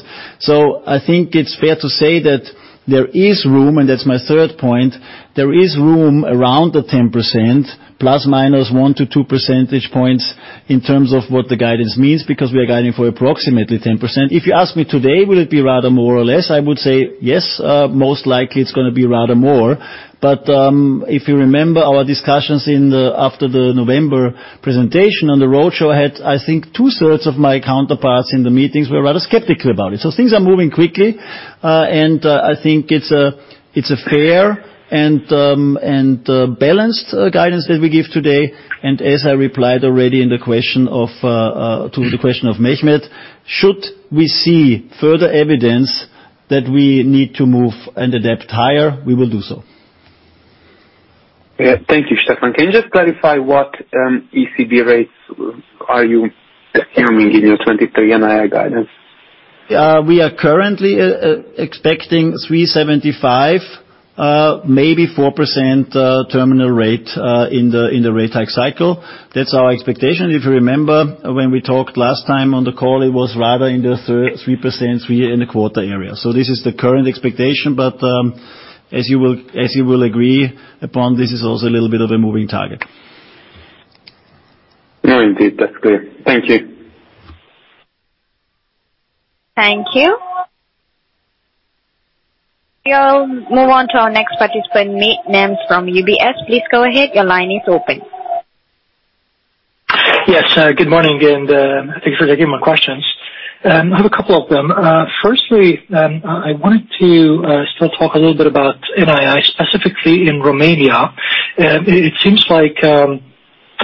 I think it's fair to say that there is room, and that's my third point, there is room around the 10%, plus or minus 1 percentage point-2 percentage points in terms of what the guidance means, because we are guiding for approximately 10%. If you ask me today, will it be rather more or less? I would say, yes, most likely it's gonna be rather more. If you remember our discussions after the November presentation on the roadshow, I had—I think 2/3 of my counterparts in the meetings were rather skeptical about it. Things are moving quickly, and I think it's a fair and balanced guidance that we give today. As I replied already to the question of Mehmet, should we see further evidence that we need to move and adapt higher, we will do so. Yeah. Thank you, Stefan. Can you just clarify what ECB rates are you assuming in your 2023 NII guidance? We are currently expecting 3.75%, maybe 4% terminal rate in the rate hike cycle. That's our expectation. If you remember when we talked last time on the call, it was rather in the 3%, 3.25% area. This is the current expectation, but as you will agree upon, this is also a little bit of a moving target. No, indeed. That's clear. Thank you. Thank you. We'll move on to our next participant, Máté Nemes from UBS. Please go ahead. Your line is open. Yes. Good morning, and thanks for taking my questions. I have a couple of them. Firstly, I wanted to still talk a little bit about NII, specifically in Romania. It seems like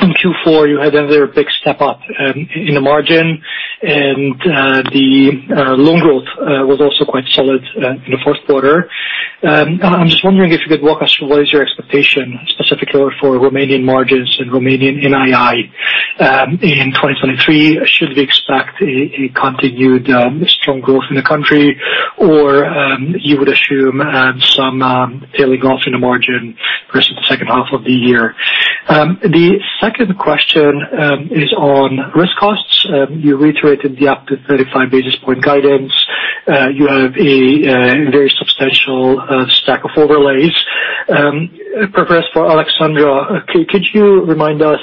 in Q4 you had another big step up in the margin, and the loan growth was also quite solid in the fourth quarter. I'm just wondering if you could walk us through what is your expectation specifically for Romanian margins and Romanian NII in 2023. Should we expect a continued strong growth in the country? You would assume some trailing off in the margin versus the second half of the year. The second question is on risk costs. You reiterated the up to 35 basis point guidance. You have a very substantial stack of overlays. Perhaps for Alexandra, could you remind us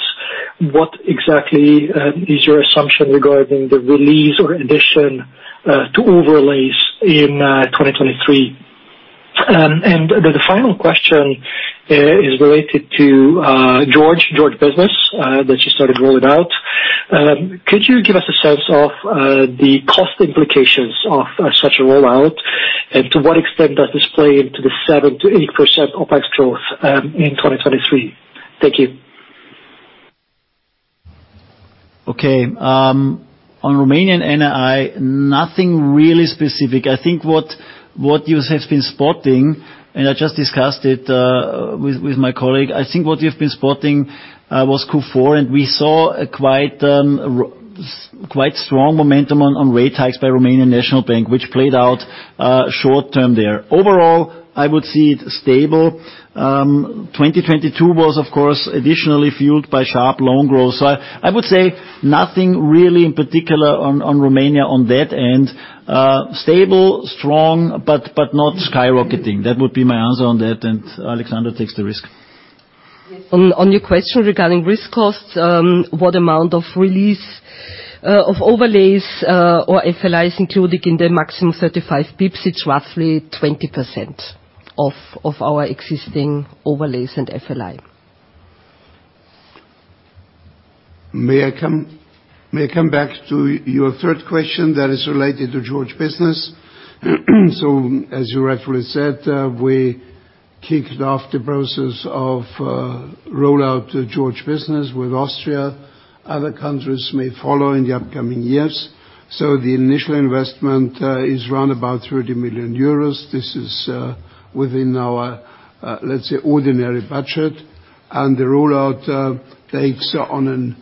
what exactly is your assumption regarding the release or addition to overlays in 2023? The final question is related to George Business that you started rolling out. Could you give us a sense of the cost implications of such a rollout? To what extent does this play into the 7%-8% OpEx growth in 2023? Thank you. Okay. On Romanian NII, nothing really specific. I think what you have been spotting, and I just discussed it with my colleague, I think what you've been spotting was Q4. We saw a quite strong momentum on rate hikes by Romanian National Bank, which played out short-term there. Overall, I would see it stable. 2022 was, of course, additionally fueled by sharp loan growth. I would say nothing really in particular on Romania on that end. Stable, strong, but not skyrocketing. That would be my answer on that. Alexandra takes the risk. On your question regarding risk costs, what amount of release, of overlays, or FLIs included in the maximum 35 basis points, it's roughly 20% of our existing overlays and FLI. May I come back to your third question that is related to George Business? As you rightfully said, we kicked off the process of rollout George Business with Austria. Other countries may follow in the upcoming years. The initial investment is around about 30 million euros. This is within our, let's say, ordinary budget. The rollout takes on an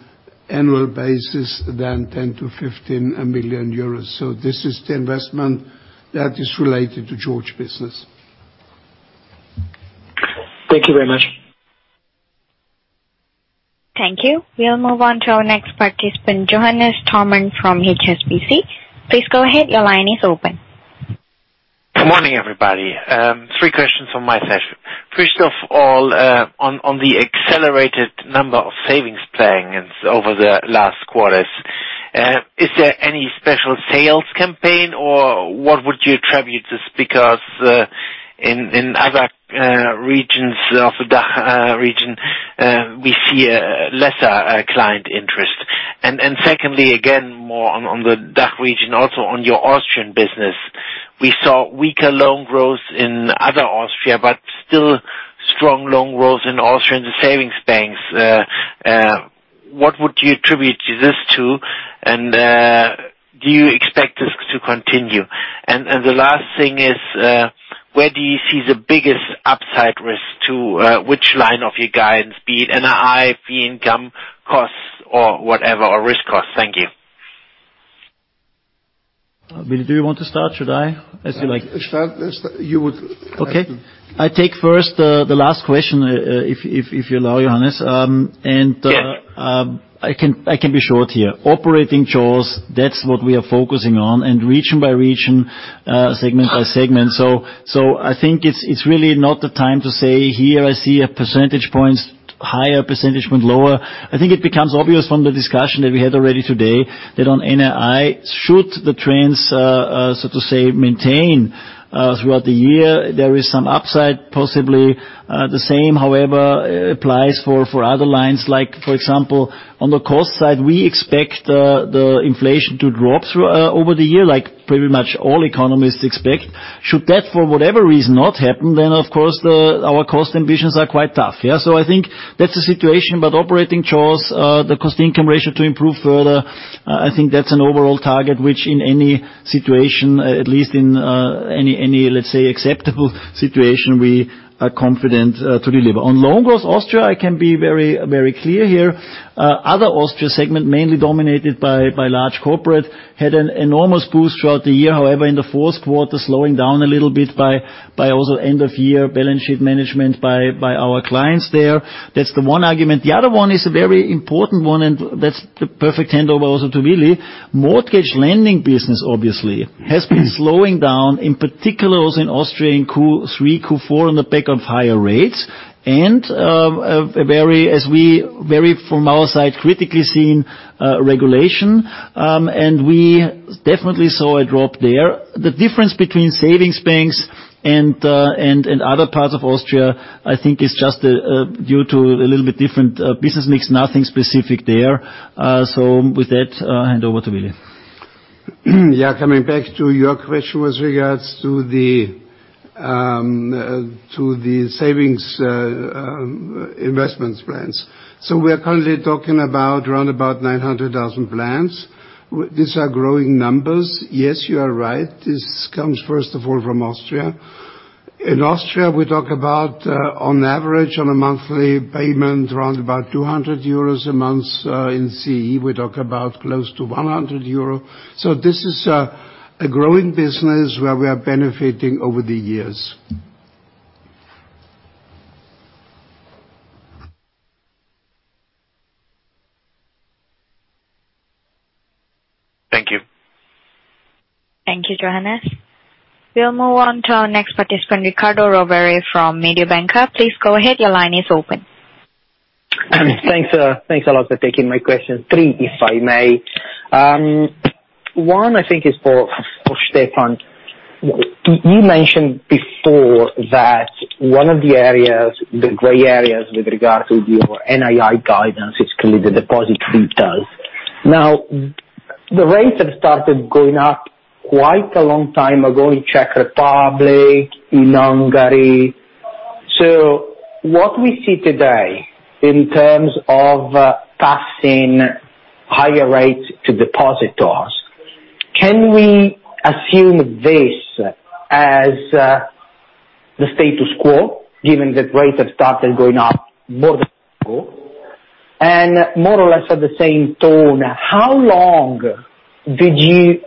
annual basis than 10 million-15 million euros. This is the investment that is related to George Business. Thank you very much. Thank you. We'll move on to our next participant, Johannes Thormann from HSBC. Please go ahead. Your line is open. Good morning, everybody. Three questions on my side. First of all, on the accelerated number of savings plans over the last quarters, is there any special sales campaign or what would you attribute this? Because in other regions of the DACH region, we see a lesser client interest. Secondly, again, more on the DACH region also on your Austrian business. We saw weaker loan growth in other Austria, but still strong loan growth in Austria in the savings banks. What would you attribute this to? Do you expect this to continue? The last thing is, where do you see the biggest upside risk to which line of your guidance, be it NII, fee income costs or whatever, or risk costs? Thank you. Willi, do you want to start? Should I? As you like. Start. You would like. I take first, the last question, if you allow, Johannes. Yeah. I can be short here. Operating jaws, that's what we are focusing on. Region by region, segment by segment. I think it's really not the time to say, "Here I see a percentage points higher, percentage point lower." I think it becomes obvious from the discussion that we had already today that on NII, should the trends, so to say, maintain throughout the year, there is some upside, possibly. The same, however, applies for other lines. Like, for example, on the cost side, we expect the inflation to drop through over the year, like pretty much all economists expect. Should that, for whatever reason, not happen, then of course our cost ambitions are quite tough. I think that's the situation. Operating jaws, the cost-income ratio to improve further, I think that's an overall target which in any situation, at least in any, let's say, acceptable situation, we are confident to deliver. On loan growth Austria, I can be very, very clear here. Other Austria segment, mainly dominated by large corporate, had an enormous boost throughout the year. However, in the fourth quarter, slowing down a little bit by also end of year balance sheet management by our clients there. That's the one argument. The other one is a very important one, that's the perfect handover also to Willi. Mortgage lending business obviously has been slowing down, in particular also in Austria in Q3, Q4 on the back of higher rates and a very critically seen regulation. We definitely saw a drop there. The difference between savings banks and other parts of Austria, I think is just due to a little bit different business mix. Nothing specific there. With that, I hand over to Willi. Coming back to your question with regards to the savings investments plans. We are currently talking about around about 900,000 plans. These are growing numbers. Yes, you are right. This comes first of all from Austria. In Austria, we talk about on average on a monthly payment, around about 200 euros a month. In CE, we talk about close to 100 euros. This is a growing business where we are benefiting over the years. Thank you. Thank you, Johannes. We'll move on to our next participant, Riccardo Rovere from Mediobanca. Please go ahead. Your line is open. Thanks, thanks a lot for taking my question. Three, if I may. one, I think is for Stefan. You mentioned before that one of the areas, the gray areas with regard to your NII guidance is clearly the deposit creep deals. The rates have started going up quite a long time ago in Czech Republic, in Hungary. What we see today in terms of passing higher rates to depositors, can we assume this as the status quo given that rates have started going up more than before? More or less at the same tone, how long do you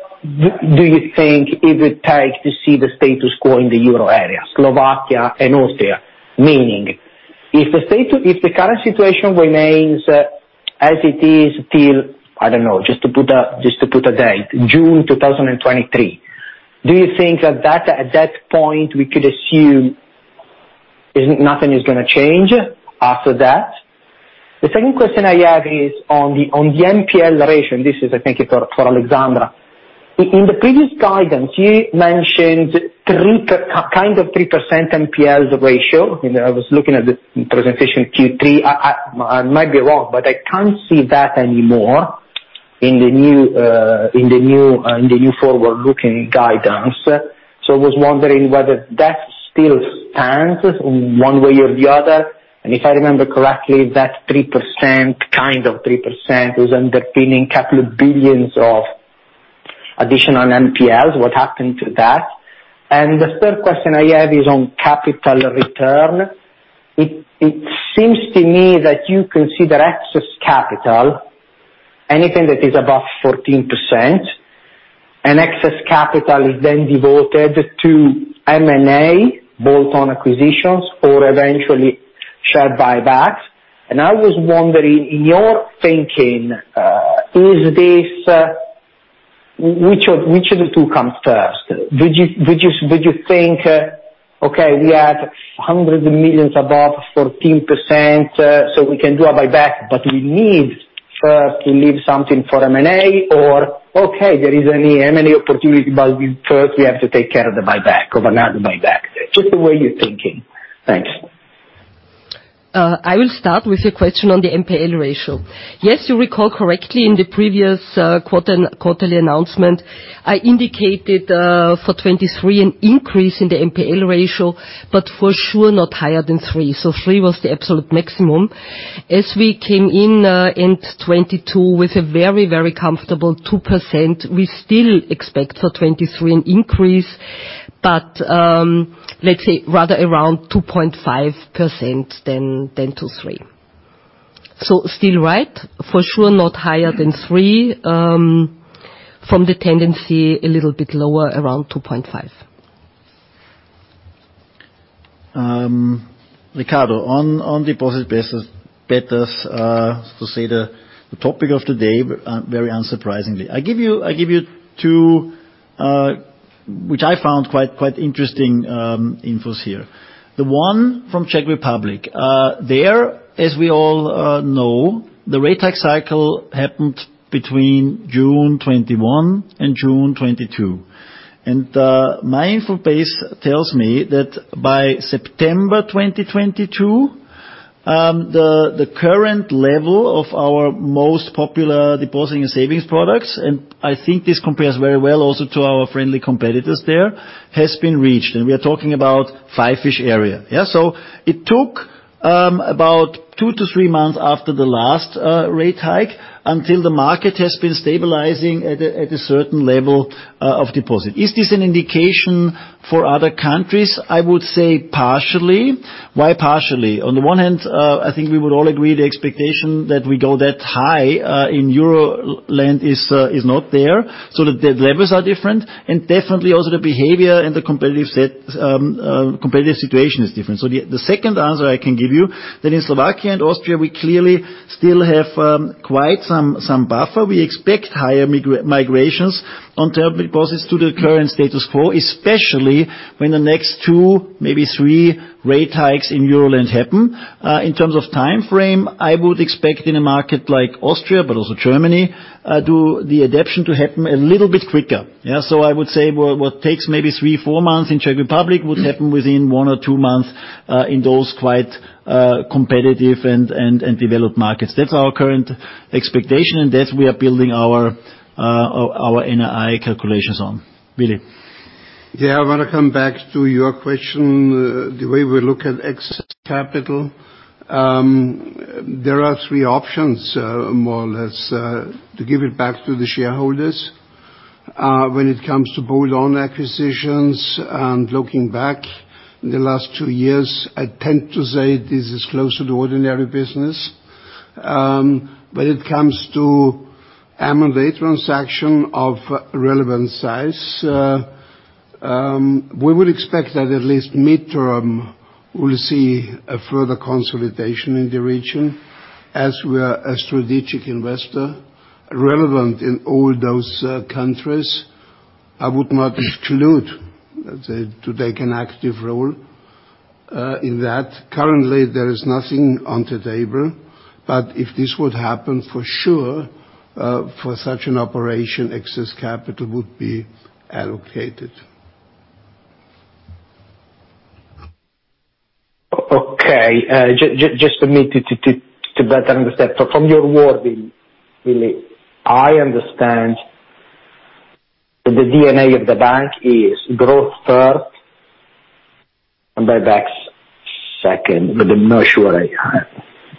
think it would take to see the status quo in the Euro area, Slovakia and Austria? Meaning, if the status—If the current situation remains as it is till, I don't know, just to put a date, June 2023, do you think that at that point we could assume nothing is gonna change after that? The second question I have is on the NPL ratio. This is, I think it for Alexandra. In the previous guidance, you mentioned kind of 3% NPL ratio. You know, I was looking at the presentation Q3. I might be wrong, but I can't see that anymore in the new forward-looking guidance. I was wondering whether that still stands one way or the other. If I remember correctly, that kind of 3% was underpinning capital billions of additional NPLs. What happened to that? The third question I have is on capital return. It seems to me that you consider excess capital anything that is above 14%, excess capital is then devoted to M&A, bolt-on acquisitions or eventually share buybacks. I was wondering, in your thinking, is this which of the two comes first? Did you think, "Okay, we have hundreds of millions above 14%, we can do a buyback, we need first to leave something for M&A," "Okay, there is an M&A opportunity, we first have to take care of the buyback, of another buyback." Just the way you're thinking. Thanks. I will start with your question on the NPL ratio. Yes, you recall correctly in the previous quarterly announcement, I indicated for 2023 an increase in the NPL ratio, but for sure, not higher than 3%. Three was the absolute maximum. As we came in in 2022 with a very, very comfortable 2%, we still expect for 2023 an increase, but let's say, rather around 2.5% than to 3%. Still right, for sure, not higher than 3%, from the tendency a little bit lower around 2.5%. Riccardo, on deposit beta, to say the topic of today, very unsurprisingly. I give you two, which I found quite interesting, infos here. The one from Czech Republic. There, as we all know, the rate hike cycle happened between June 2021 and June 2022. My info base tells me that by September 2022, the current level of our most popular depositing and savings products, and I think this compares very well also to our friendly competitors there, has been reached. We are talking about 5%-ish area. It took about two to three months after the last rate hike until the market has been stabilizing at a certain level of deposit. Is this an indication for other countries? I would say partially. Why partially? On the one hand, I think we would all agree the expectation that we go that high in Euroland is not there. The levels are different. Definitely also the behavior and the competitive set, competitive situation is different. The second answer I can give you, that in Slovakia and Austria, we clearly still have quite some buffer. We expect higher migrations on term deposits to the current status quo, especially when the next two, maybe three rate hikes in Euroland happen. In terms of timeframe, I would expect in a market like Austria, but also Germany, do the adaptation to happen a little bit quicker. Yeah. I would say what takes maybe three, four months in Czech Republic would happen within one or two months in those quite competitive and developed markets. That's our current expectation, and that we are building our NII calculations on. Willi. Yeah. I wanna come back to your question, the way we look at excess capital. There are three options, more or less, to give it back to the shareholders. When it comes to bolt-on acquisitions, and looking back in the last two years, I tend to say this is closer to ordinary business. When it comes to M&A transaction of relevant size, we would expect that at least midterm, we'll see a further consolidation in the region. As we are a strategic investor relevant in all those countries, I would not exclude, let's say, to take an active role in that. Currently, there is nothing on the table. If this would happen, for sure, for such an operation, excess capital would be allocated. Okay, just for me to better understand. From your wording, Willi, I understand the DNA of the bank is growth first and buybacks second, but I'm not sure I... The-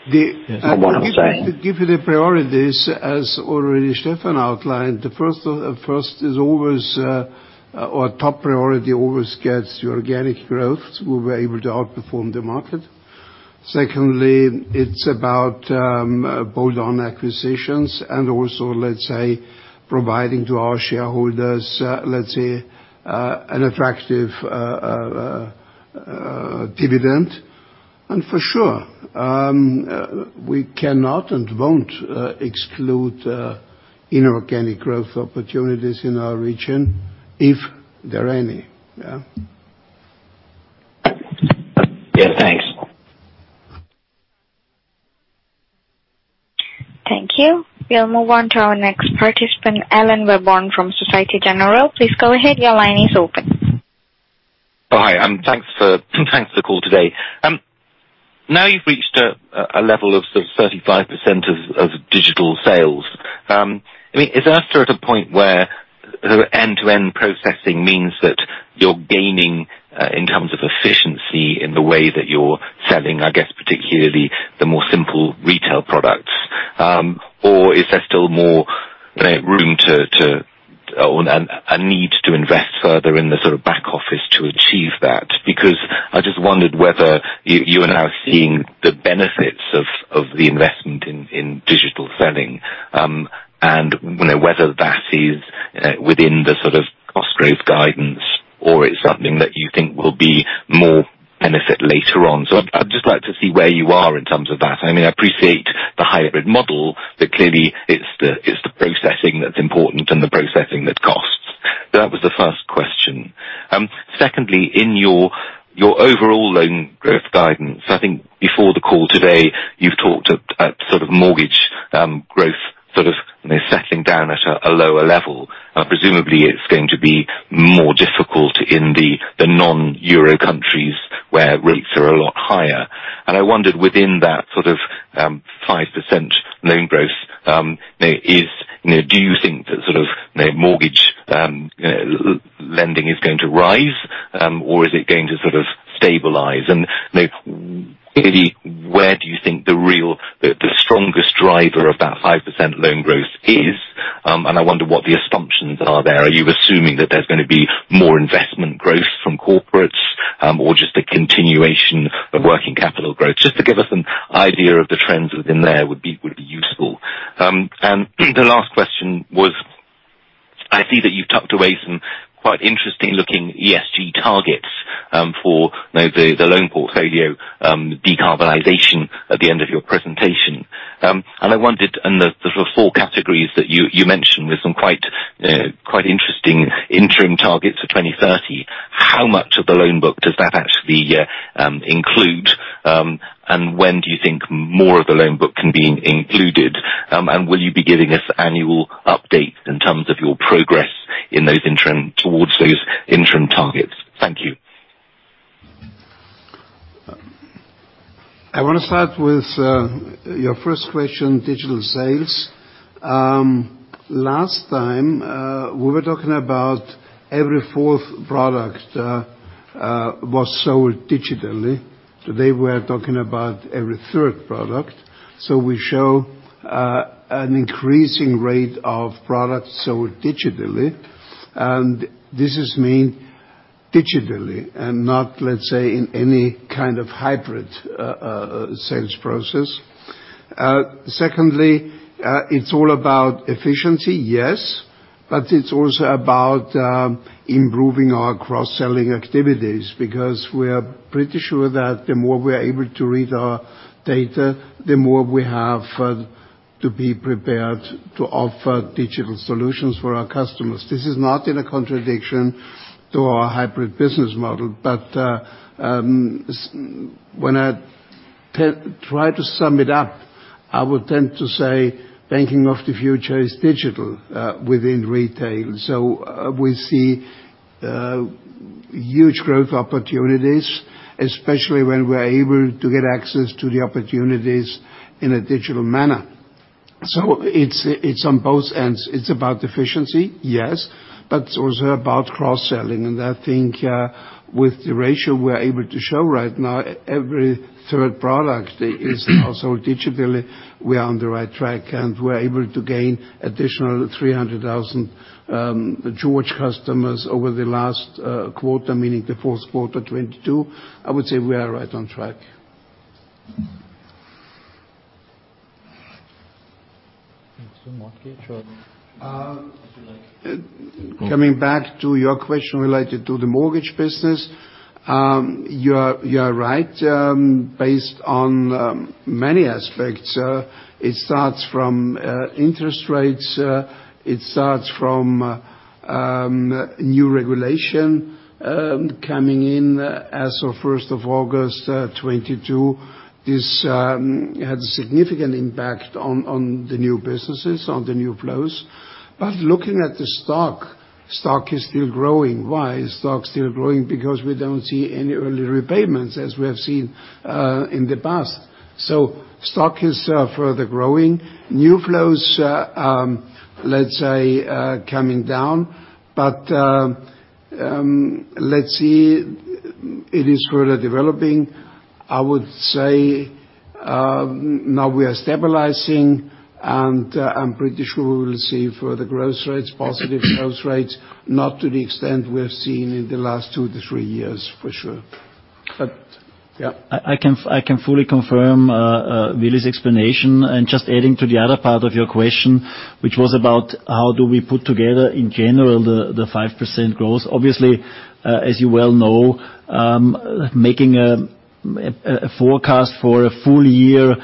You know what I'm saying. To give you the priorities as already Stefan outlined, the first is always, or top priority always gets the organic growth. We were able to outperform the market. Secondly, it's about bolt-on acquisitions and also, let's say, providing to our shareholders, let's say, an attractive dividend. For sure, we cannot and won't exclude inorganic growth opportunities in our region if there are any. Yeah. Yeah, thanks. Thank you. We'll move on to our next participant, Alan Webborn from Société Générale. Please go ahead. Your line is open. Hi, thanks for the call today. Now you've reached a level of sort of 35% of digital sales, I mean, is Erste at a point where the end-to-end processing means that you're gaining in terms of efficiency in the way that you're selling, I guess, particularly the more simple retail products? Is there still more room to and a need to invest further in the sort of back office to achieve that? I just wondered whether you are now seeing the benefits of the investment in digital selling, and, you know, whether that is within the sort of cost growth guidance or it's something that you think will be more benefit later on. I'd just like to see where you are in terms of that. I mean, I appreciate the hybrid model, clearly it's the processing that's important and the processing that costs. That was the first question. Secondly, in your overall loan growth guidance, I think before the call today, you've talked at sort of mortgage growth sort of, you know, settling down at a lower level. Presumably it's going to be more difficult in the non-euro countries where rates are a lot higher. I wondered within that sort of 5% loan growth, you know, do you think that sort of, you know, mortgage lending is going to rise, or is it going to sort of stabilize? You know, really where do you think the real, the strongest driver of that 5% loan growth is? I wonder what the assumptions are there. Are you assuming that there's gonna be more investment growth from corporates, or just a continuation of working capital growth? Just to give us an idea of the trends within there would be useful. The last question was, I see that you've tucked away some quite interesting looking ESG targets for, you know, the loan portfolio decarbonization at the end of your presentation. I wondered, the sort of four categories that you mentioned with some quite interesting interim targets for 2030, how much of the loan book does that actually include? When do you think more of the loan book can be included? Will you be giving us annual updates in terms of your progress towards those interim targets? Thank you. I wanna start with your first question, digital sales. Last time, we were talking about every fourth product was sold digitally. Today, we're talking about every third product. We show an increasing rate of products sold digitally. This is mean digitally and not, let's say, in any kind of hybrid sales process. Secondly, it's all about efficiency, yes, but it's also about improving our cross-selling activities, because we are pretty sure that the more we are able to read our data, the more we have to be prepared to offer digital solutions for our customers. This is not in a contradiction to our hybrid business model, but when I try to sum it up, I would tend to say banking of the future is digital within retail. We see huge growth opportunities, especially when we're able to get access to the opportunities in a digital manner. It's on both ends. It's about efficiency, yes, but it's also about cross-selling. I think with the ratio we're able to show right now, every third product is also digitally, we are on the right track, and we're able to gain additional 300,000 George customers over the last quarter, meaning the fourth quarter 2022. I would say we are right on track. To mortgage Coming back to your question related to the mortgage business, you are right. Based on many aspects, it starts from interest rates, it starts from new regulation coming in as of August 1, 2022. This had a significant impact on the new businesses, on the new flows. Looking at the stock is still growing. Why is stock still growing? Because we don't see any early repayments as we have seen in the past. Stock is further growing. New flows, let's say, coming down, let's see. It is further developing. I would say, now we are stabilizing, and I'm pretty sure we will see further growth rates, positive growth rates, not to the extent we have seen in the last 2 years-3 years, for sure. Yeah. I can fully confirm Willi's explanation. Just adding to the other part of your question, which was about how do we put together in general the 5% growth. Obviously, as you well know, making a forecast for a full year-over-year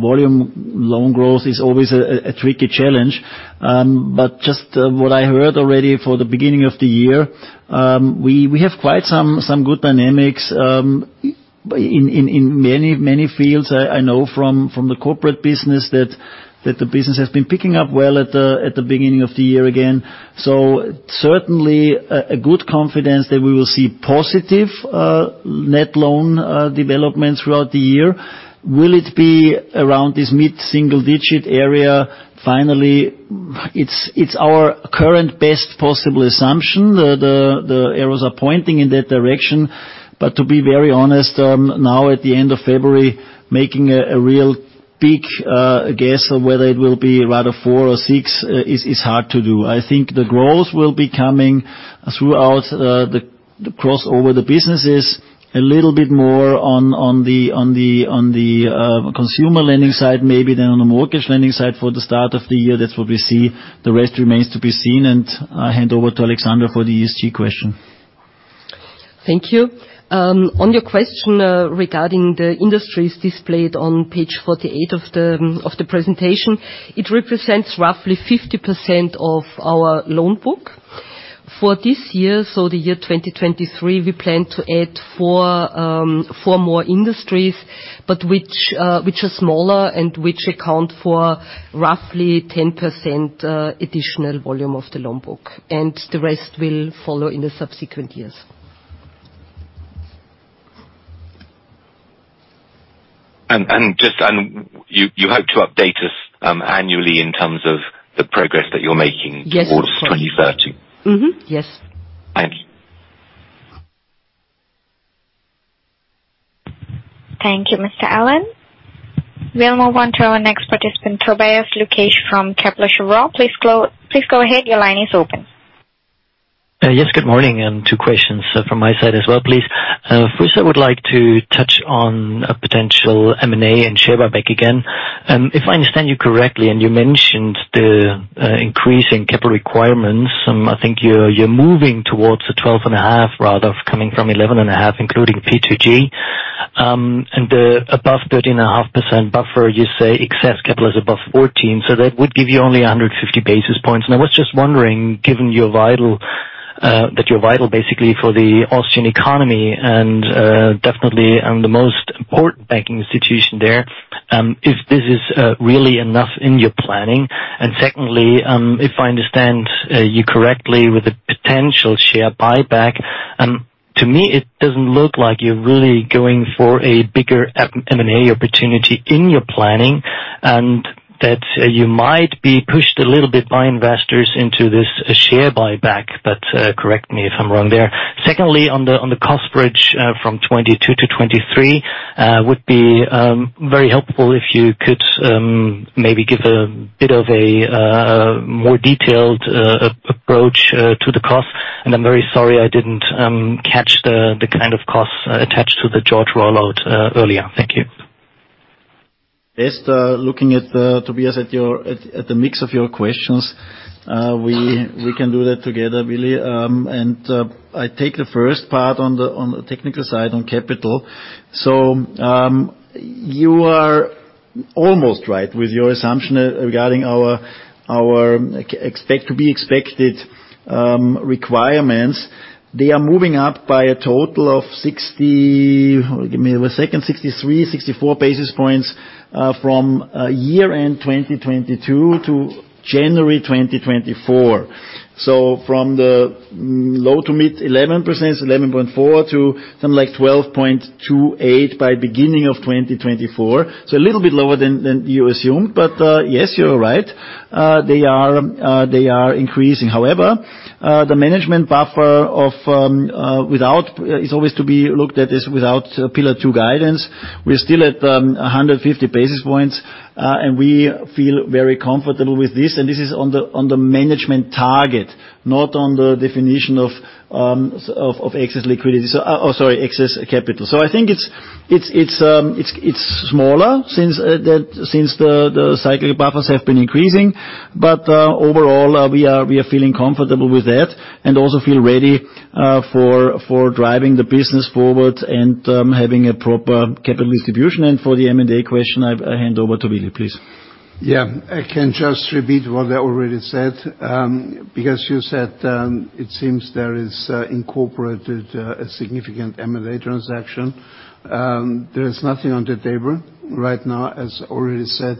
volume loan growth is always a tricky challenge. But just what I heard already for the beginning of the year, we have quite some good dynamics in many fields. I know from the corporate business that the business has been picking up well at the beginning of the year again. Certainly a good confidence that we will see positive net loan developments throughout the year. Will it be around this mid-single-digit area finally? It's our current best possible assumption. The arrows are pointing in that direction. To be very honest, now at the end of February, making a real big guess on whether it will be rather 4% or 6% is hard to do. I think the growth will be coming throughout across over the businesses a little bit more on the consumer lending side, maybe than on the mortgage lending side for the start of the year. That's what we see. The rest remains to be seen, I hand over to Alexandra for the ESG question. Thank you. On your question, regarding the industries displayed on page 48 of the presentation, it represents roughly 50% of our loan book. For this year, the year 2023, we plan to add four more industries, which are smaller and which account for roughly 10% additional volume of the loan book. The rest will follow in the subsequent years. Just, and you hope to update us annually in terms of the progress that you're making. Yes. towards 2030. Mm-hmm. Yes. Thank you. Thank you, Mr. Alan. We'll move on to our next participant, Tobias Lukesch from Kepler Cheuvreux. Please go ahead. Your line is open. Yes. Good morning, two questions from my side as well, please. First I would like to touch on a potential M&A and share buyback again. If I understand you correctly, you mentioned the increase in capital requirements, I think you're moving towards a 12.5% rather of coming from 11.5%, including P2G. The above 13.5% buffer, you say excess capital is above 14%, so that would give you only 150 basis points. I was just wondering, given you're vital, that you're vital basically for the Austrian economy and definitely and the most important banking institution there, if this is really enough in your planning. Secondly, if I understand you correctly with the potential share buyback, to me, it doesn't look like you're really going for a bigger M&A opportunity in your planning, and that you might be pushed a little bit by investors into this share buyback. Correct me if I'm wrong there. Secondly, on the cost bridge from 2022 to 2023 would be very helpful if you could maybe give a bit of a more detailed approach to the cost. I'm very sorry I didn't catch the kind of costs attached to the George rollout earlier. Thank you. Yes. Looking at Tobias at your, at the mix of your questions, we can do that together, Willi. I take the first part on the technical side on capital. You are almost right with your assumption regarding our expected requirements. They are moving up by a total of 63-64 basis points from year-end 2022 to January 2024. From the low to mid 11%, 11.4% to something like 12.28% by beginning of 2024. A little bit lower than you assumed. Yes, you're right. They are increasing. However, the management buffer of without is always to be looked at as without Pillar 2 Guidance. We're still at 150 basis points, and we feel very comfortable with this. This is on the, on the management target, not on the definition of excess liquidity. oh, sorry, excess capital. I think it's smaller since the cyclic buffers have been increasing. But overall, we are feeling comfortable with that and also feel ready for driving the business forward and having a proper capital distribution. For the M&A question, I hand over to Willi, please. Yeah. I can just repeat what I already said, because you said, it seems there is incorporated a significant M&A transaction. There is nothing on the table right now. As already said,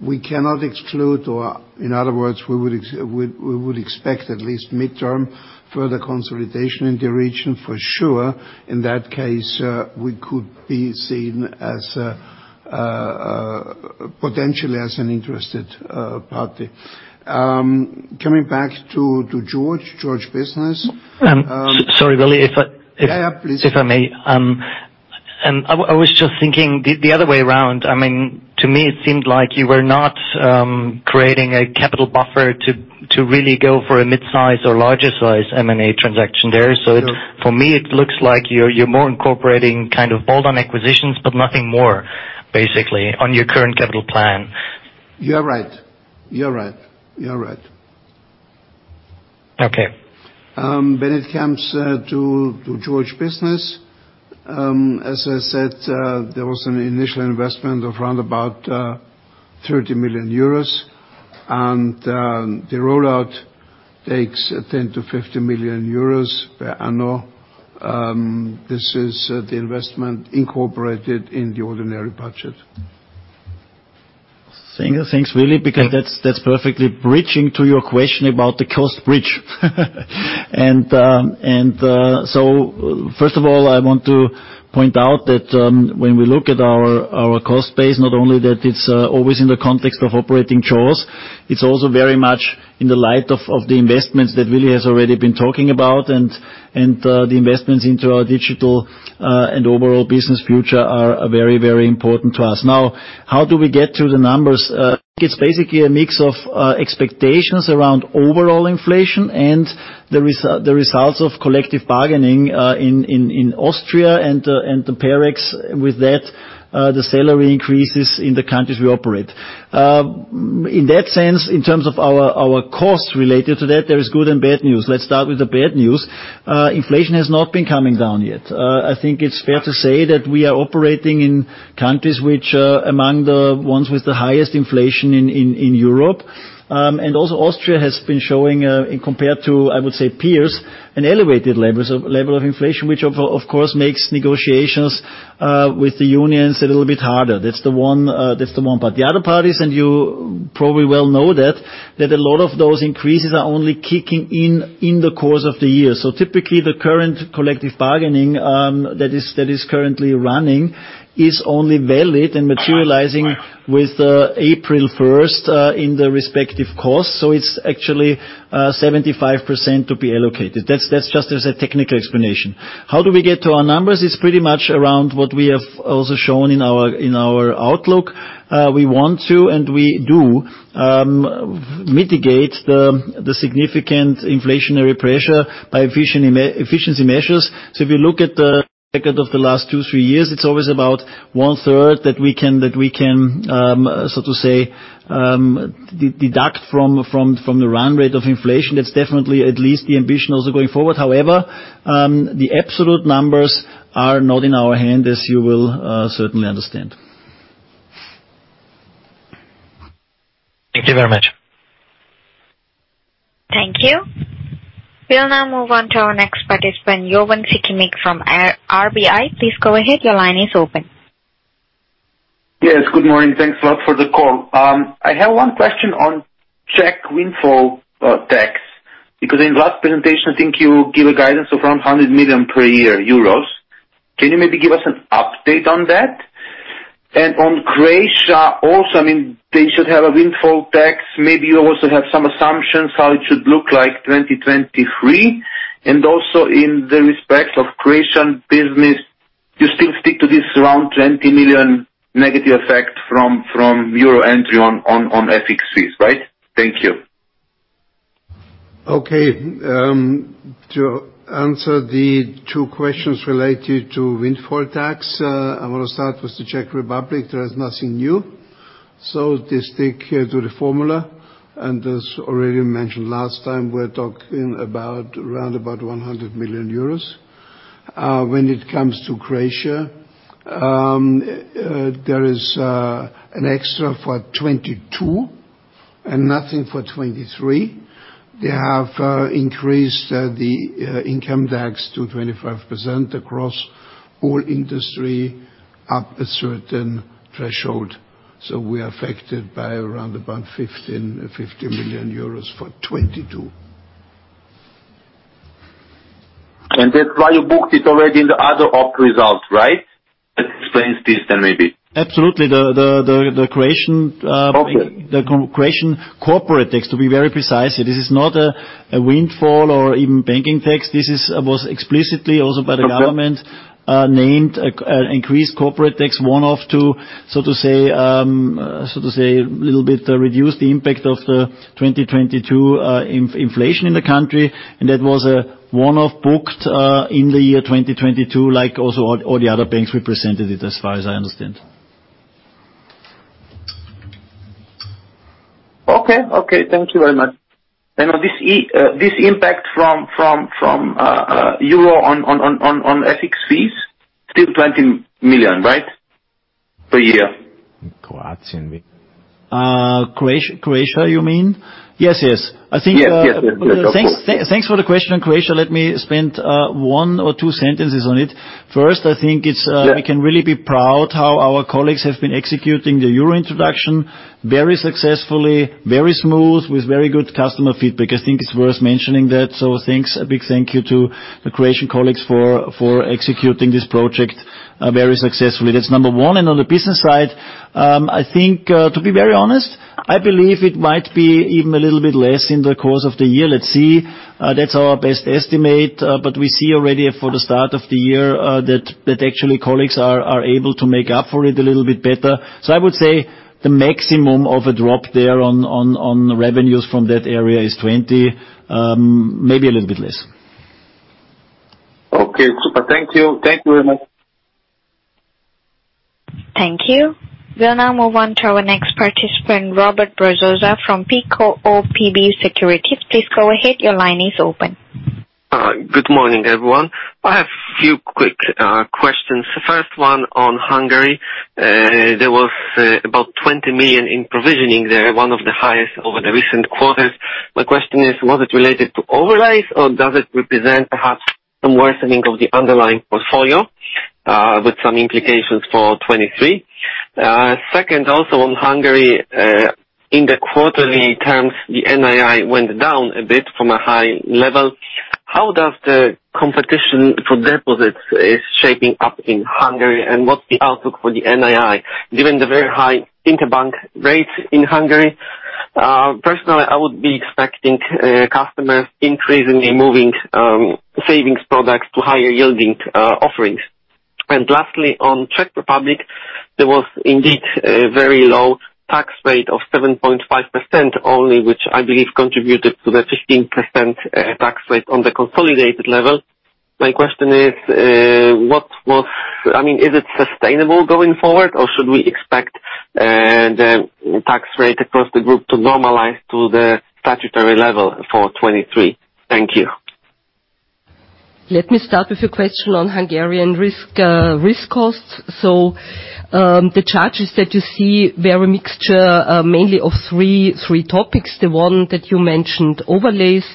we cannot exclude, or in other words, we would expect at least midterm further consolidation in the region for sure. In that case, we could be seen as potentially as an interested party. Coming back to George Business. sorry, Willi, if... Yeah, please. If I may. I was just thinking the other way around. I mean, to me, it seemed like you were not creating a capital buffer to really go for a mid-size or larger size M&A transaction there. Sure. For me, it looks like you're more incorporating kind of bolt-on acquisitions, but nothing more basically on your current capital plan. You are right. You are right. You are right. Okay. When it comes to George Business, as I said, there was an initial investment of around about 30 million euros, and the rollout takes 10 million-50 million euros per annum. This is the investment incorporated in the ordinary budget. Thanks, Willi, because that's perfectly bridging to your question about the cost bridge. First of all, I want to point out that when we look at our cost base, not only that it's always in the context of operating jaws, it's also very much in the light of the investments that Willi has already been talking about and the investments into our digital and overall business future are very, very important to us. How do we get to the numbers? It's basically a mix of expectations around overall inflation and the results of collective bargaining in Austria and the Parex with that, the salary increases in the countries we operate. In that sense, in terms of our costs related to that, there is good and bad news. Let's start with the bad news. Inflation has not been coming down yet. I think it's fair to say that we are operating in countries which are among the ones with the highest inflation in, in Europe. Also Austria has been showing, compared to, I would say, peers an elevated level of inflation, which of course, makes negotiations with the unions a little bit harder. That's the one, that's the one part. The other part is, you probably well know that a lot of those increases are only kicking in the course of the year. Typically the current collective bargaining that is currently running is only valid and materializing with April 1st in the respective costs. It's actually 75% to be allocated. That's just as a technical explanation. How do we get to our numbers? It's pretty much around what we have also shown in our outlook. We want to, and we do, mitigate the significant inflationary pressure by efficiency measures. If you look at the record of the last two, three years, it's always about one-third that we can, so to say, deduct from the run rate of inflation. That's definitely at least the ambition also going forward. However, the absolute numbers are not in our hand, as you will certainly understand. Thank you very much. Thank you. We'll now move on to our next participant, Jovan Sikimic from RBI. Please go ahead. Your line is open. Yes. Good morning. Thanks a lot for the call. I have one question on Czech windfall tax, because in the last presentation, I think you gave a guidance of around 100 million per year. Can you maybe give us an update on that? On Croatia also, I mean, they should have a windfall tax. Maybe you also have some assumptions how it should look like 2023? Also in the respect of Croatian business, you still stick to this around 20 million negative effect from euro entry on FX fees, right? Thank you. Okay. To answer the two questions related to windfall tax, I wanna start with the Czech Republic. There is nothing new. They stick to the formula, and as already mentioned last time, we're talking about around about 100 million euros. When it comes to Croatia, there is an extra for 2022 and nothing for 2023. They have increased the income tax to 25% across all industry up a certain threshold. We're affected by around about 50 million euros for 2022. That's why you booked it already in the other op results, right? That explains this then maybe. Absolutely. The Croatian. Okay. The Croatian corporate tax, to be very precise. This is not a windfall or even banking tax. This was explicitly also by the government named an increased corporate tax one-off to so to say a little bit reduce the impact of the 2022 inflation in the country. That was a one-off booked in the year 2022, like also all the other banks represented it as far as I understand. Okay. Okay. Thank you very much. On this impact from euro on FX fees, still 20 million, right? Per year. Croatian. Croat-Croatia, you mean? Yes, yes. I think, Yes, yes. That's okay. Thanks for the question on Croatia. Let me spend one or two sentences on it. First, I think it's. Yeah. We can really be proud how our colleagues have been executing the euro introduction very successfully, very smooth, with very good customer feedback. I think it's worth mentioning that. Thanks, a big thank you to the Croatian colleagues for executing this project very successfully. That's number one. On the business side, I think to be very honest, I believe it might be even a little bit less in the course of the year. Let's see. That's our best estimate, but we see already for the start of the year, that actually colleagues are able to make up for it a little bit better. I would say the maximum of a drop there on revenues from that area is 20, maybe a little bit less. Okay. Super. Thank you. Thank you very much. Thank you. We'll now move on to our next participant, Robert Brzoza from PKO BP Securities. Please go ahead. Your line is open. Good morning, everyone. I have few quick questions. The first one on Hungary. There was about 20 million in provisioning there, one of the highest over the recent quarters. My question is, was it related to overlays or does it represent perhaps some worsening of the underlying portfolio, with some implications for 2023? Second, also on Hungary, in the quarterly terms, the NII went down a bit from a high level. How does the competition for deposits is shaping up in Hungary, and what's the outlook for the NII, given the very high interbank rates in Hungary? Personally, I would be expecting customers increasingly moving savings products to higher yielding offerings. Lastly, on Czech Republic, there was indeed a very low tax rate of 7.5% only, which I believe contributed to the 15% tax rate on the consolidated level. My question is, I mean, is it sustainable going forward or should we expect the tax rate across the group to normalize to the statutory level for 2023? Thank you. Let me start with your question on Hungarian risk costs. The charges that you see were a mixture, mainly of three topics. The one that you mentioned, overlays.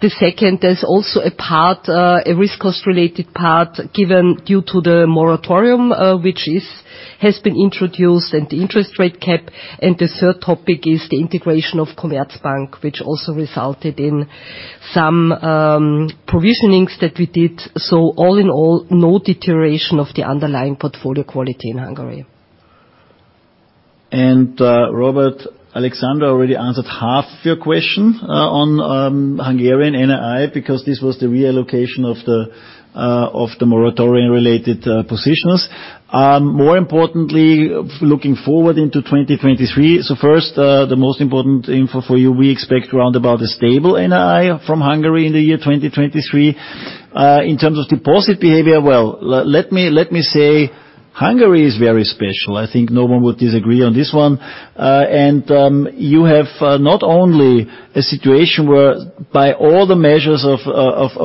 The second, there's also a part, a risk cost related part given due to the moratorium, which has been introduced and the interest rate cap. The third topic is the integration of Commerzbank, which also resulted in some provisionings that we did. All in all, no deterioration of the underlying portfolio quality in Hungary. Robert, Alexandra already answered half your question on Hungarian NII because this was the reallocation of the moratorium-related positions. More importantly, looking forward into 2023, the most important info for you, we expect round about a stable NII from Hungary in the year 2023. In terms of deposit behavior, well, let me say Hungary is very special. I think no one would disagree on this one. You have, not only a situation where by all the measures of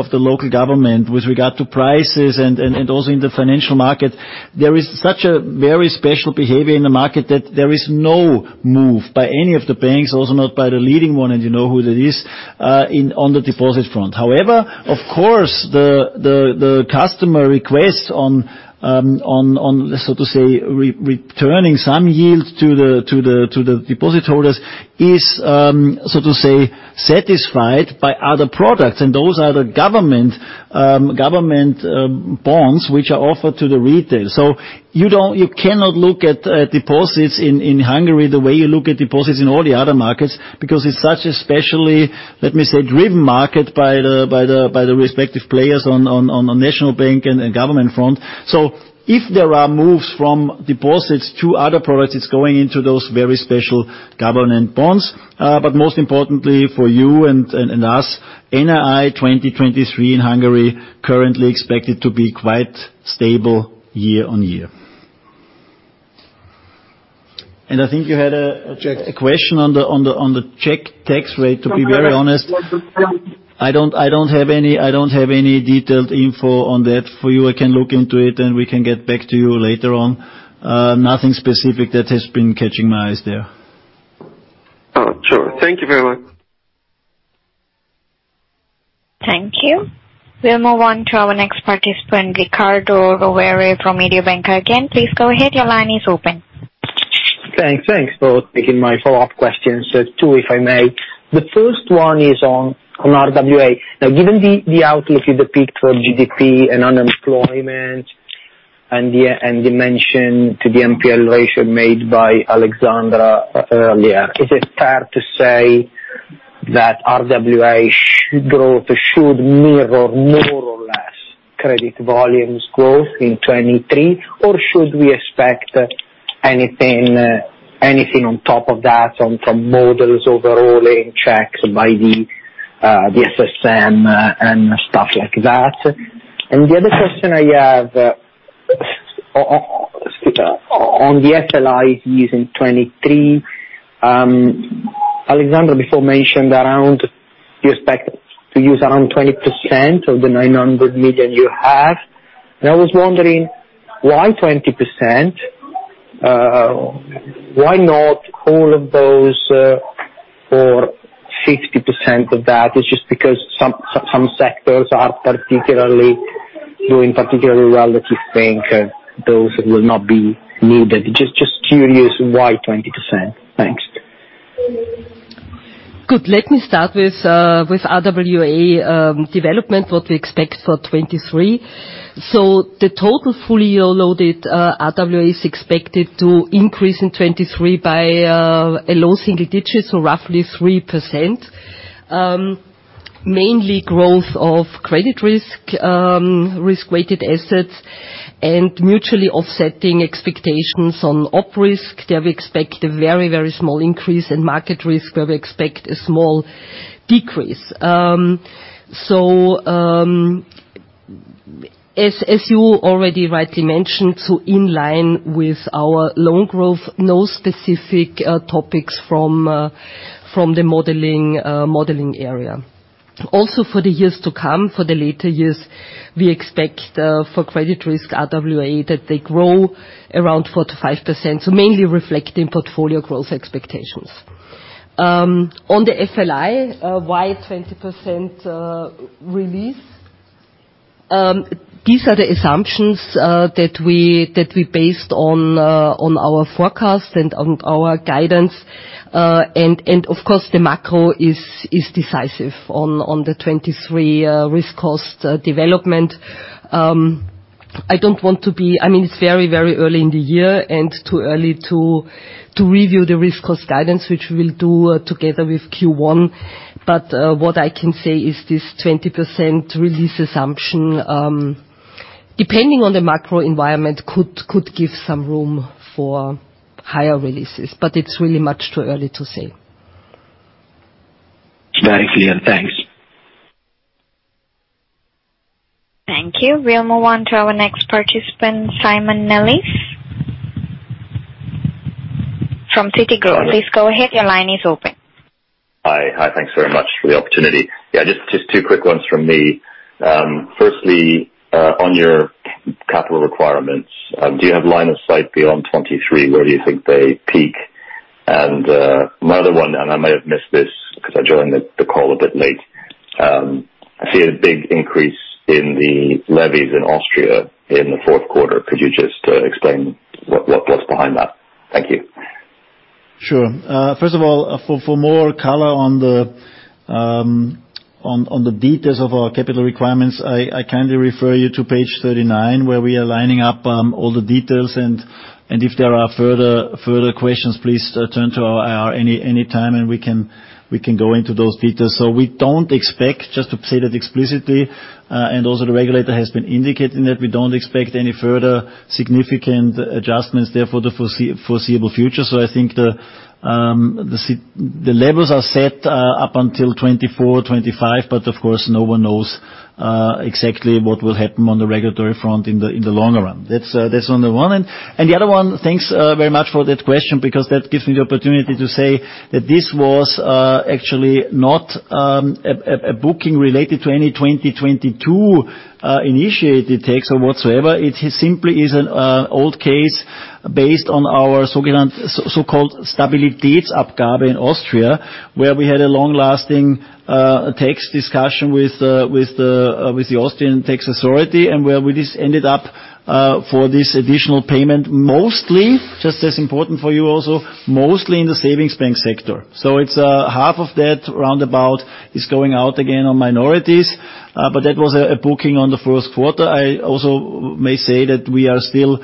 the local government with regard to prices and also in the financial market, there is such a very special behavior in the market that there is no move by any of the banks, also not by the leading one, and you know who that is, in, on the deposit front. However, of course, the customer requests on, re-returning some yield to the deposit holders is, satisfied by other products. Those are the government bonds which are offered to the retail. You don't... You cannot look at deposits in Hungary the way you look at deposits in all the other markets because it's such a specially, let me say, driven market by the respective players on a national bank and government front. If there are moves from deposits to other products, it's going into those very special government bonds. But most importantly for you and us, NII 2023 in Hungary currently expected to be quite stable year on year. I think you had a. Czech. A question on the Czech tax rate. To be very honest, I don't have any detailed info on that for you. I can look into it, and we can get back to you later on. Nothing specific that has been catching my eyes there. Oh, sure. Thank you very much. Thank you. We'll move on to our next participant, Riccardo Rovere from Mediobanca. Again, please go ahead. Your line is open. Thanks. Thanks for taking my follow-up questions. Two, if I may. The first one is on RWA. Given the outlook you depict for GDP and unemployment and the mention to the NPL ratio made by Alexandra earlier, is it fair to say that RWA should mirror more or less credit volumes growth in 2023? Should we expect anything on top of that from models overall in checks by the SSM and stuff like that? The other question I have on the FLIs in 2023, Alexandra before mentioned around you expect to use around 20% of the 900 million you have. I was wondering why 20%? Why not all of those or 60% of that? It's just because some sectors are particularly doing particularly well that you think those will not be needed. Just curious why 20%? Thanks. Good. Let me start with RWA development, what we expect for 2023. The total full year loaded RWA is expected to increase in 2023 by a low single digits, roughly 3%. Mainly growth of credit risk-weighted assets and mutually offsetting expectations on Operational Risk. There we expect a very, very small increase in Market Risk, where we expect a small decrease. As you already rightly mentioned, in line with our loan growth, no specific topics from the modeling area. For the years to come, for the later years, we expect for credit risk RWA that they grow around 4%-5%, mainly reflecting portfolio growth expectations. On the FLI, why 20% release? These are the assumptions that we based on our forecast and on our guidance. Of course the macro is decisive on the 2023 risk cost development. I mean, it's very early in the year and too early to review the risk cost guidance, which we'll do together with Q1. What I can say is this 20% release assumption, depending on the macro environment could give some room for higher releases, but it's really much too early to say. Very clear. Thanks. Thank you. We'll move on to our next participant, Simon Nellis from Citigroup. Please go ahead. Your line is open. Hi. Hi. Thanks very much for the opportunity. Yeah, just two quick ones from me. Firstly, on your capital requirements, do you have line of sight beyond 2023? Where do you think they peak? My other one, and I may have missed this because I joined the call a bit late. I see a big increase in the levies in Austria in the fourth quarter. Could you just explain what's behind that? Thank you. Sure. First of all, for more color on the details of our capital requirements, I kindly refer you to page 39, where we are lining up all the details. If there are further questions, please turn to our IR any time, and we can go into those details. We don't expect, just to say that explicitly, and also the regulator has been indicating that we don't expect any further significant adjustments there for the foreseeable future. I think the levels are set up until 2024, 2025, but of course, no one knows exactly what will happen on the regulatory front in the longer run. That's that's on the one. The other one, thanks very much for that question because that gives me the opportunity to say that this was actually not a booking related to any 2022 initiated tax or whatsoever. It is simply is an old case based on our so-called Stabilitätsabgabe in Austria, where we had a long-lasting tax discussion with the Austrian tax authority, where we just ended up for this additional payment, mostly, just as important for you also, mostly in the savings bank sector. It's half of that roundabout is going out again on minorities. That was a booking on the first quarter. I also may say that we are still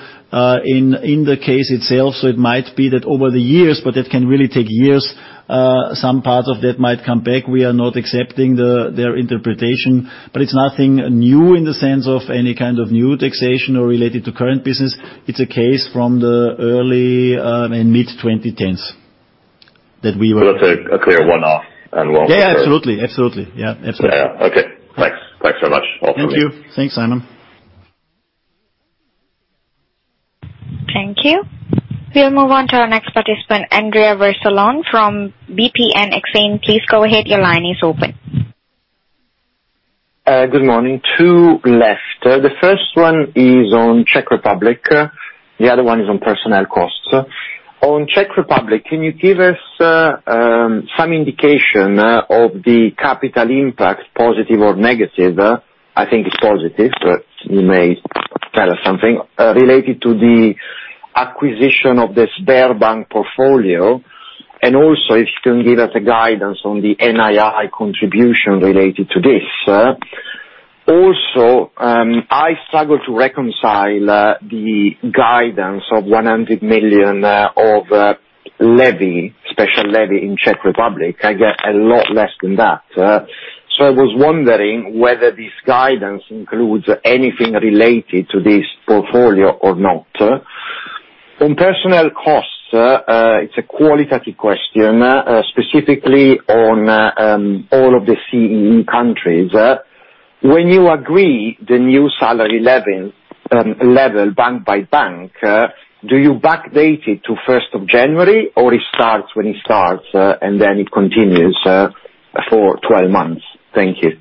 in the case itself, so it might be that over the years, but it can really take years, some parts of that might come back. We are not accepting the, their interpretation. It's nothing new in the sense of any kind of new taxation or related to current business. It's a case from the early, and mid-2010s. It's a clear one-off. Yeah, absolutely. Yeah. Absolutely. Yeah, yeah. Okay. Thanks. Thanks so much. Over. Thank you. Thanks, Simon. Thank you. We'll move on to our next participant, Andrea Vercellone from BNP Paribas Exane. Please go ahead. Your line is open. Good morning. Two left. The first one is on Czech Republic, the other one is on personnel costs. On Czech Republic, can you give us some indication of the capital impact, positive or negative, I think it's positive, but you may tell us something related to the acquisition of the Sberbank portfolio, and also if you can give us a guidance on the NII contribution related to this. Also, I struggle to reconcile the guidance of 100 million of levy, special levy in Czech Republic. I get a lot less than that. I was wondering whether this guidance includes anything related to this portfolio or not. On personnel costs, it's a qualitative question specifically on all of the CEE countries. When you agree the new salary level bank by bank, do you backdate it to first of January, or it starts when it starts, and then it continues for 12 months? Thank you.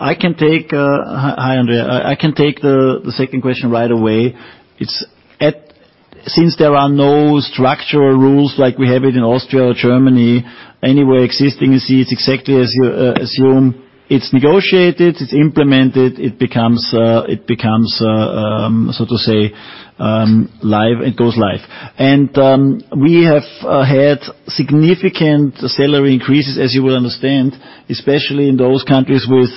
I can take, Hi, Andrea. I can take the second question right away. Since there are no structural rules like we have it in Austria or Germany anywhere existing, you see it's exactly as you assume. It's negotiated, it's implemented, it becomes, so to say, live, it goes live. We have had significant salary increases, as you will understand, especially in those countries with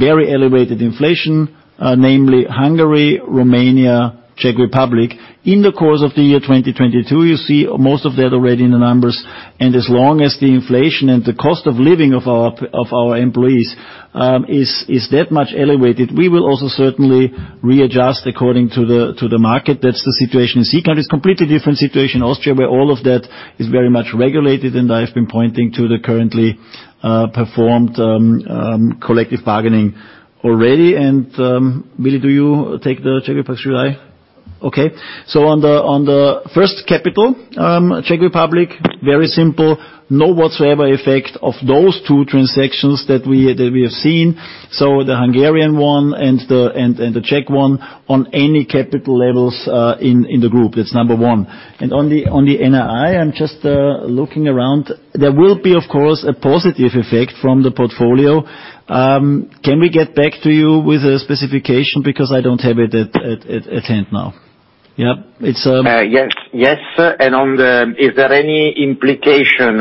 very elevated inflation, namely Hungary, Romania, Czech Republic. In the course of the year 2022, you see most of that already in the numbers. As long as the inflation and the cost of living of our employees is that much elevated, we will also certainly readjust according to the market. That's the situation in CEE countries. It is a completely different situation in Austria, where all of that is very much regulated, I've been pointing to the currently performed collective bargaining already. Willi, do you take the Czech Republic or shall I? Okay. On the first capital, Czech Republic, very simple. No whatsoever effect of those two transactions that we have seen. The Hungarian one and the Czech one on any capital levels in the group. That's number one. On the NII, I'm just looking around. There will be, of course, a positive effect from the portfolio. Can we get back to you with a specification? Because I don't have it at hand now. Yeah. It's Yes. Yes. Is there any implication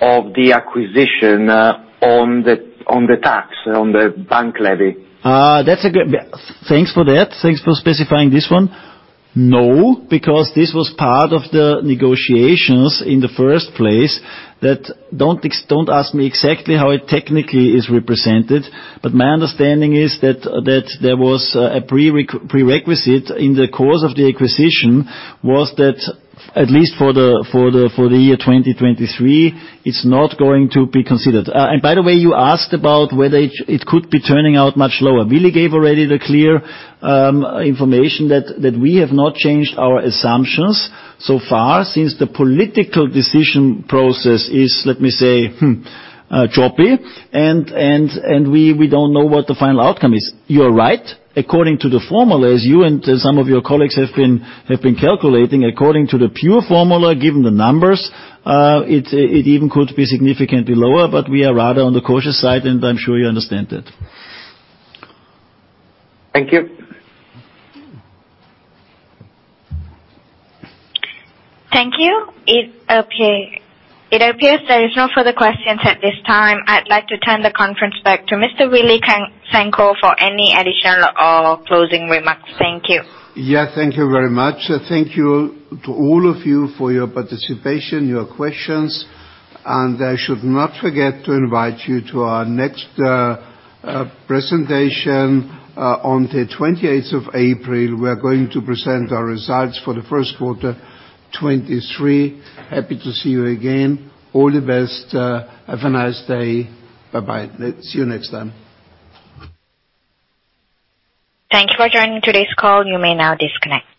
of the acquisition on the tax, on the bank levy? Thanks for that. Thanks for specifying this one. No, because this was part of the negotiations in the first place that don't ask me exactly how it technically is represented, but my understanding is that there was a prerequisite in the course of the acquisition was that at least for the year 2023, it's not going to be considered. By the way, you asked about whether it could be turning out much lower. Willi gave already the clear information that we have not changed our assumptions so far, since the political decision process is, let me say, choppy. We don't know what the final outcome is. You are right. According to the formula, as you and some of your colleagues have been calculating, according to the pure formula, given the numbers, it even could be significantly lower. We are rather on the cautious side. I'm sure you understand that. Thank you. Thank you. It appears there is no further questions at this time. I'd like to turn the conference back to Mr. Willi Cernko for any additional or closing remarks. Thank you. Yeah. Thank you very much. Thank you to all of you for your participation, your questions. I should not forget to invite you to our next presentation on the 28th of April. We are going to present our results for the first quarter 2023. Happy to see you again. All the best. Have a nice day. Bye-bye. See you next time. Thank you for joining today's call. You may now disconnect.